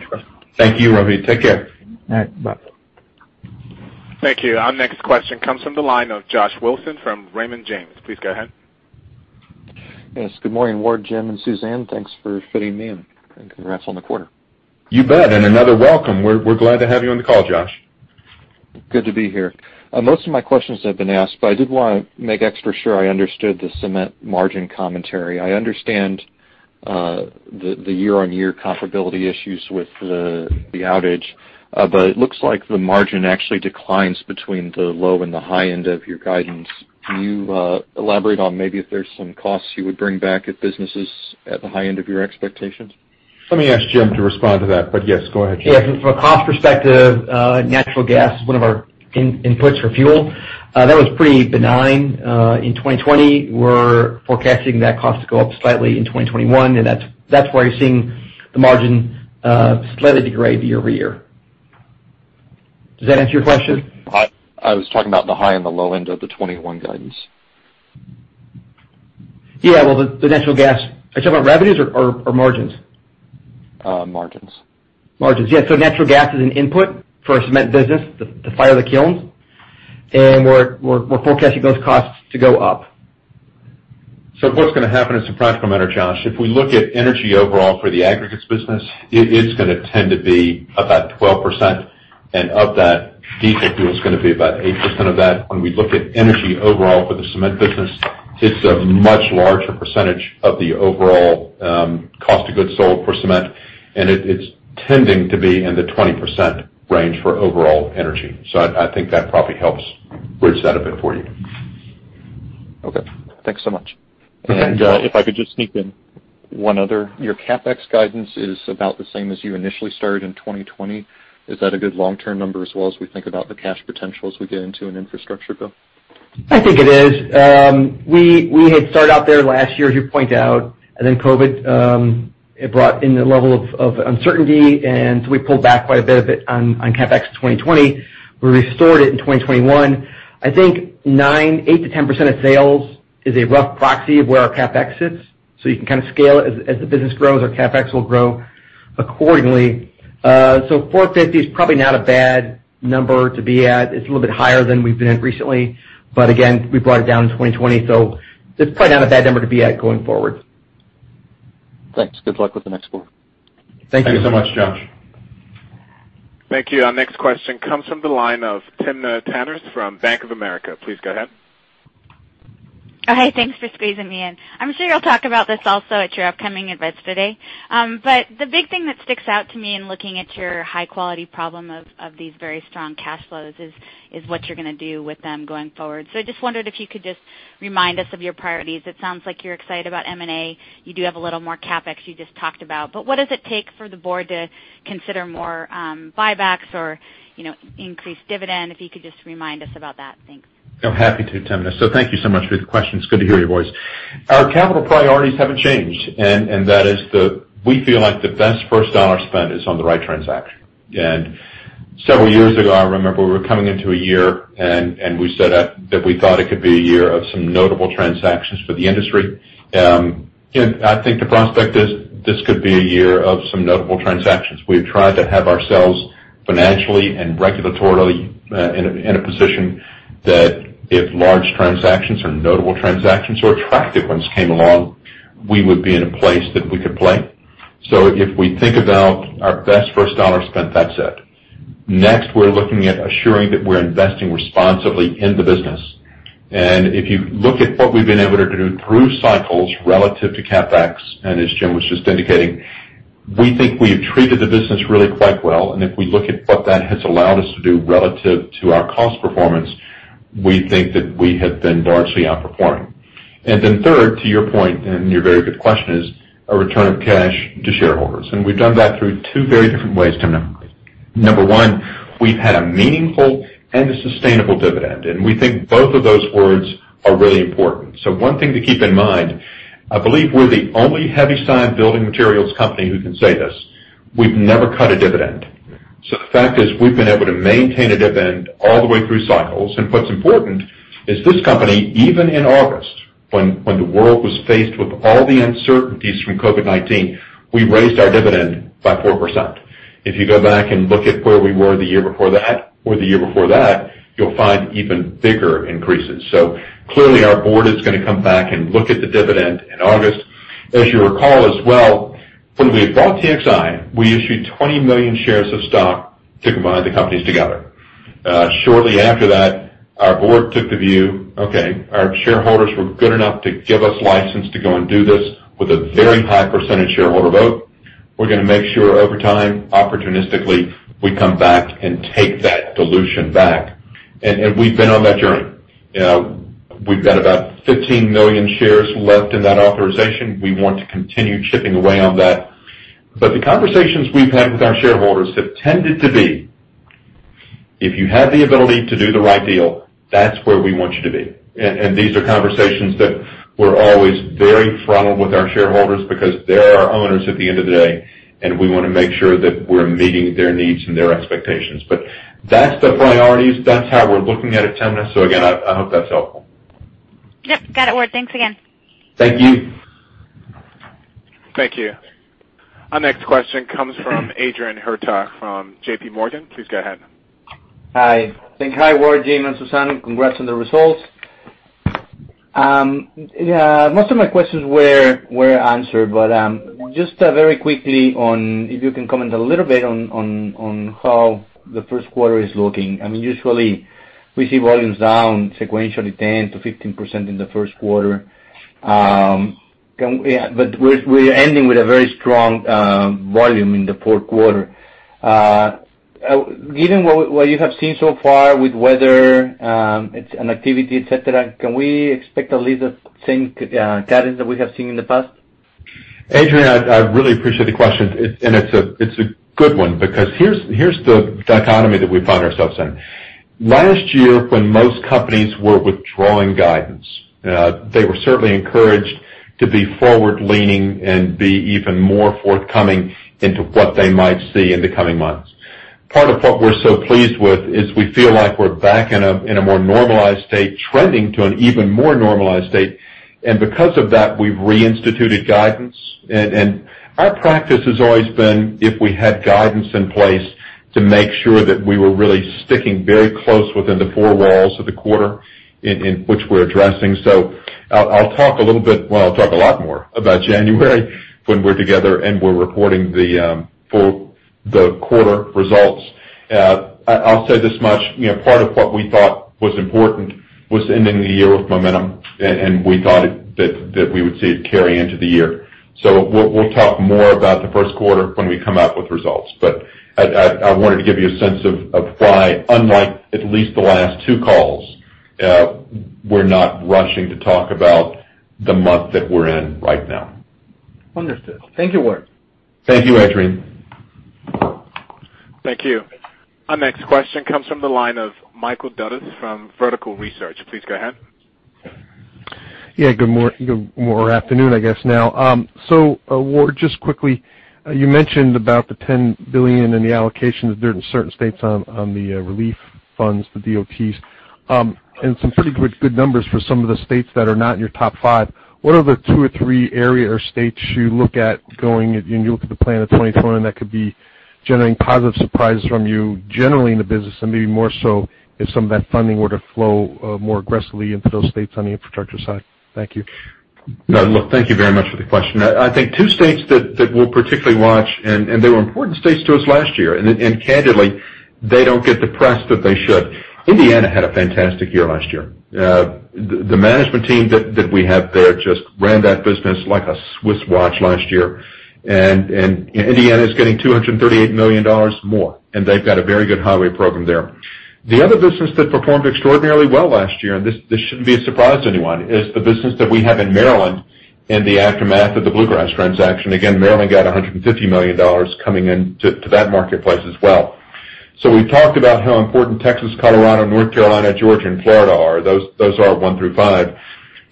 Thank you, Rohit. Take care. All right, bye. Thank you. Our next question comes from the line of Joshua Wilson from Raymond James. Please go ahead. Good morning, Howard, Jim, and Suzanne. Thanks for fitting me in, and congrats on the quarter. You bet. Another welcome. We're glad to have you on the call, Josh. Good to be here. Most of my questions have been asked, but I did want to make extra sure I understood the cement margin commentary. I understand the year-on-year comparability issues with the outage. It looks like the margin actually declines between the low and the high end of your guidance. Can you elaborate on maybe if there's some costs you would bring back if business is at the high end of your expectations? Let me ask Jim to respond to that, but yes, go ahead, Jim. Yeah, from a cost perspective, natural gas is one of our inputs for fuel. That was pretty benign. In 2020, we're forecasting that cost to go up slightly in 2021. That's why you're seeing the margin slightly degrade year-over-year. Does that answer your question? I was talking about the high and the low end of the 2021 guidance. Yeah. Well, the natural gas. Are you talking about revenues or margins? Margins. Margins. Yeah. Natural gas is an input for our cement business to fire the kilns, and we're forecasting those costs to go up. What's going to happen is a practical matter, Josh. If we look at energy overall for the aggregates business, it is going to tend to be about 12%, and of that, diesel fuel is going to be about 8% of that. When we look at energy overall for the cement business, it's a much larger percentage of the overall cost of goods sold for cement, and it's tending to be in the 20% range for overall energy. I think that probably helps bridge that a bit for you. Okay. Thanks so much. You bet. If I could just sneak in one other. Your CapEx guidance is about the same as you initially started in 2020. Is that a good long-term number as well as we think about the cash potential as we get into an infrastructure bill? I think it is. We had started out there last year, as you point out. COVID-19 brought in a level of uncertainty. We pulled back quite a bit on CapEx 2020. We restored it in 2021. I think 9%, 8%-10% of sales is a rough proxy of where our CapEx sits. You can kind of scale it. As the business grows, our CapEx will grow accordingly. $450 million is probably not a bad number to be at. It's a little bit higher than we've been at recently. Again, we brought it down in 2020. It's probably not a bad number to be at going forward. Thanks. Good luck with the next quarter. Thank you. Thanks so much, Josh. Thank you. Our next question comes from the line of Timna Tanners from Bank of America. Please go ahead. Hi. Thanks for squeezing me in. I'm sure you'll talk about this also at your upcoming Investor Day. The big thing that sticks out to me in looking at your high-quality problem of these very strong cash flows is what you're going to do with them going forward. I just wondered if you could just remind us of your priorities. It sounds like you're excited about M&A. You do have a little more CapEx you just talked about. What does it take for the board to consider more buybacks or increase dividend? If you could just remind us about that. Thanks. I'm happy to, Timna. Thank you so much for your question. It's good to hear your voice. Our capital priorities haven't changed, and that is that we feel like the best first dollar spent is on the right transaction. Several years ago, I remember we were coming into a year, and we said that we thought it could be a year of some notable transactions for the industry. I think the prospect is this could be a year of some notable transactions. We've tried to have ourselves financially and regulatorily in a position that if large transactions or notable transactions or attractive ones came along, we would be in a place that we could play. If we think about our best first dollar spent, that's it. Next, we're looking at assuring that we're investing responsibly in the business. If you look at what we've been able to do through cycles relative to CapEx, as Jim was just indicating, we think we have treated the business really quite well. If we look at what that has allowed us to do relative to our cost performance, we think that we have been largely outperforming. Third, to your point and your very good question, is a return of cash to shareholders. We've done that through two very different ways, Timna. Number one, we've had a meaningful and a sustainable dividend. We think both of those words are really important. One thing to keep in mind, I believe we're the only heavy building materials company who can say this. We've never cut a dividend. The fact is, we've been able to maintain a dividend all the way through cycles. What's important is this company, even in August, when the world was faced with all the uncertainties from COVID-19, we raised our dividend by 4%. If you go back and look at where we were the year before that or the year before that, you'll find even bigger increases. Clearly our board is going to come back and look at the dividend in August. As you recall as well, when we bought TXI, we issued 20 million shares of stock to combine the companies together. Shortly after that, our board took the view, okay, our shareholders were good enough to give us license to go and do this with a very high percentage shareholder vote. We're going to make sure over time, opportunistically, we come back and take that dilution back. We've been on that journey. We've got about 15 million shares left in that authorization. We want to continue chipping away on that. The conversations we've had with our shareholders have tended to be, "If you have the ability to do the right deal, that's where we want you to be." These are conversations that we're always very frontal with our shareholders because they're our owners at the end of the day, and we want to make sure that we're meeting their needs and their expectations. That's the priorities. That's how we're looking at it, Timna. Again, I hope that's helpful. Yep. Got it, Howard. Thanks again. Thank you. Thank you. Our next question comes from Adrian Huerta from JPMorgan. Please go ahead. Hi, Howard Nye, Jim Nickolas, and Suzanne. Congrats on the results. Most of my questions were answered, but just very quickly on if you can comment a little bit on how the first quarter is looking. Usually, we see volumes down sequentially 10%-15% in the first quarter. We're ending with a very strong volume in the fourth quarter. Given what you have seen so far with weather and activity, et cetera, can we expect a little same guidance that we have seen in the past? Adrian, I really appreciate the question, and it's a good one because here's the dichotomy that we find ourselves in. Last year, when most companies were withdrawing guidance, they were certainly encouraged to be forward-leaning and be even more forthcoming into what they might see in the coming months. Part of what we're so pleased with is we feel like we're back in a more normalized state, trending to an even more normalized state. Because of that, we've reinstituted guidance. Our practice has always been, if we had guidance in place, to make sure that we were really sticking very close within the four walls of the quarter in which we're addressing. I'll talk a little bit, well, I'll talk a lot more about January when we're together and we're reporting the quarter results. I'll say this much. Part of what we thought was important was ending the year with momentum. We thought that we would see it carry into the year. We'll talk more about the first quarter when we come out with results. I wanted to give you a sense of why, unlike at least the last two calls, we're not rushing to talk about the month that we're in right now. Understood. Thank you, Howard. Thank you, Adrian. Thank you. Our next question comes from the line of Michael Dudas from Vertical Research. Please go ahead. Yeah, good afternoon, I guess now. Howard, just quickly, you mentioned about the $10 billion in the allocation of certain states on the relief funds, the DOTs, and some pretty good numbers for some of the states that are not in your top five. What are the two or three area or states you look at going, and you look at the plan of 2021, that could be generating positive surprises from you generally in the business, and maybe more so if some of that funding were to flow more aggressively into those states on the infrastructure side? Thank you. Look, thank you very much for the question. I think two states that we'll particularly watch, and they were important states to us last year, and candidly, they don't get the press that they should. Indiana had a fantastic year last year. The management team that we have there just ran that business like a Swiss watch last year. Indiana's getting $238 million more, and they've got a very good highway program there. The other business that performed extraordinarily well last year, and this shouldn't be a surprise to anyone, is the business that we have in Maryland in the aftermath of the Bluegrass transaction. Maryland got $150 million coming in to that marketplace as well. We talked about how important Texas, Colorado, North Carolina, Georgia, and Florida are. Those are our one through five.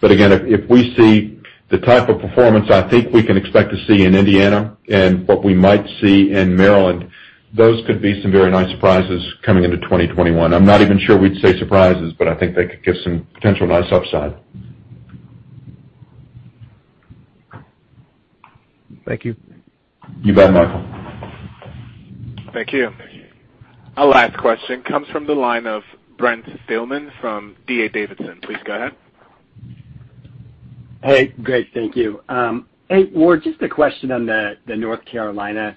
Again, if we see the type of performance I think we can expect to see in Indiana and what we might see in Maryland, those could be some very nice surprises coming into 2021. I'm not even sure we'd say surprises. I think they could give some potential nice upside. Thank you. You bet, Michael. Thank you. Our last question comes from the line of Brent Thielman from D.A. Davidson. Please go ahead. Hey, great. Thank you. Hey, Howard, a question on the North Carolina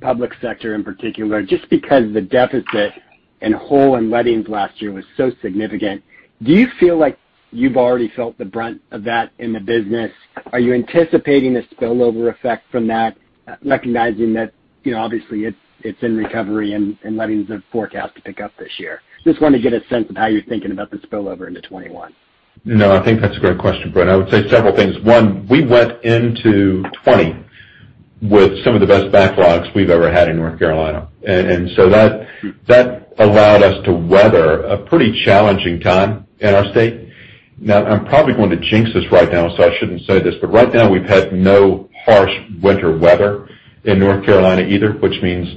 public sector in particular. Because the deficit in hole in lettings last year was so significant, do you feel like you've already felt the brunt of that in the business? Are you anticipating a spillover effect from that, recognizing that obviously it's in recovery and lettings are forecast to pick up this year? I want to get a sense of how you're thinking about the spillover into 2021. I think that's a great question, Brent. I would say several things. One, we went into 2020 with some of the best backlogs we've ever had in North Carolina, and so that allowed us to weather a pretty challenging time in our state. I'm probably going to jinx this right now, so I shouldn't say this, but right now we've had no harsh winter weather in North Carolina either, which means,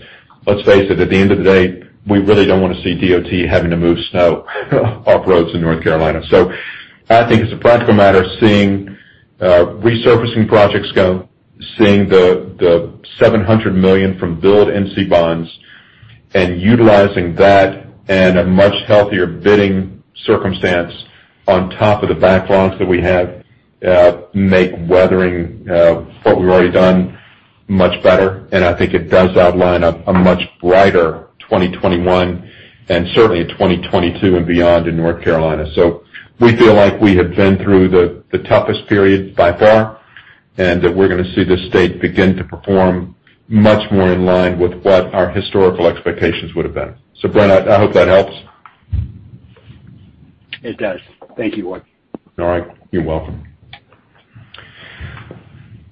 let's face it, at the end of the day, we really don't want to see DOT having to move snow off roads in North Carolina. I think as a practical matter, seeing resurfacing projects go, seeing the $700 million from Build NC Bonds, and utilizing that and a much healthier bidding circumstance on top of the backlogs that we have make weathering what we've already done much better. I think it does outline a much brighter 2021, and certainly a 2022 and beyond in North Carolina. We feel like we have been through the toughest period by far, and that we're going to see this state begin to perform much more in line with what our historical expectations would have been. Brent, I hope that helps. It does. Thank you, Howard. All right. You're welcome.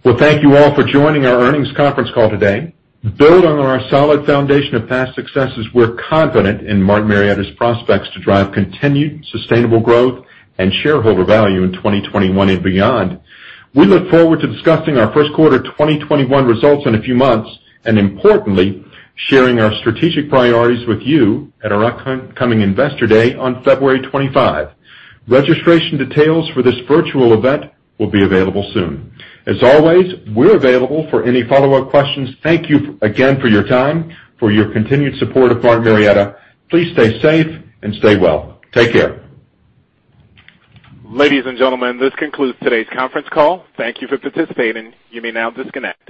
Well, thank you all for joining our earnings conference call today. Build on our solid foundation of past successes, we're confident in Martin Marietta's prospects to drive continued sustainable growth and shareholder value in 2021 and beyond. We look forward to discussing our first quarter 2021 results in a few months, and importantly, sharing our strategic priorities with you at our upcoming Investor Day on February 25. Registration details for this virtual event will be available soon. As always, we're available for any follow-up questions. Thank you again for your time, for your continued support of Martin Marietta. Please stay safe and stay well. Take care. Ladies and gentlemen, this concludes today's conference call. Thank you for participating. You may now disconnect.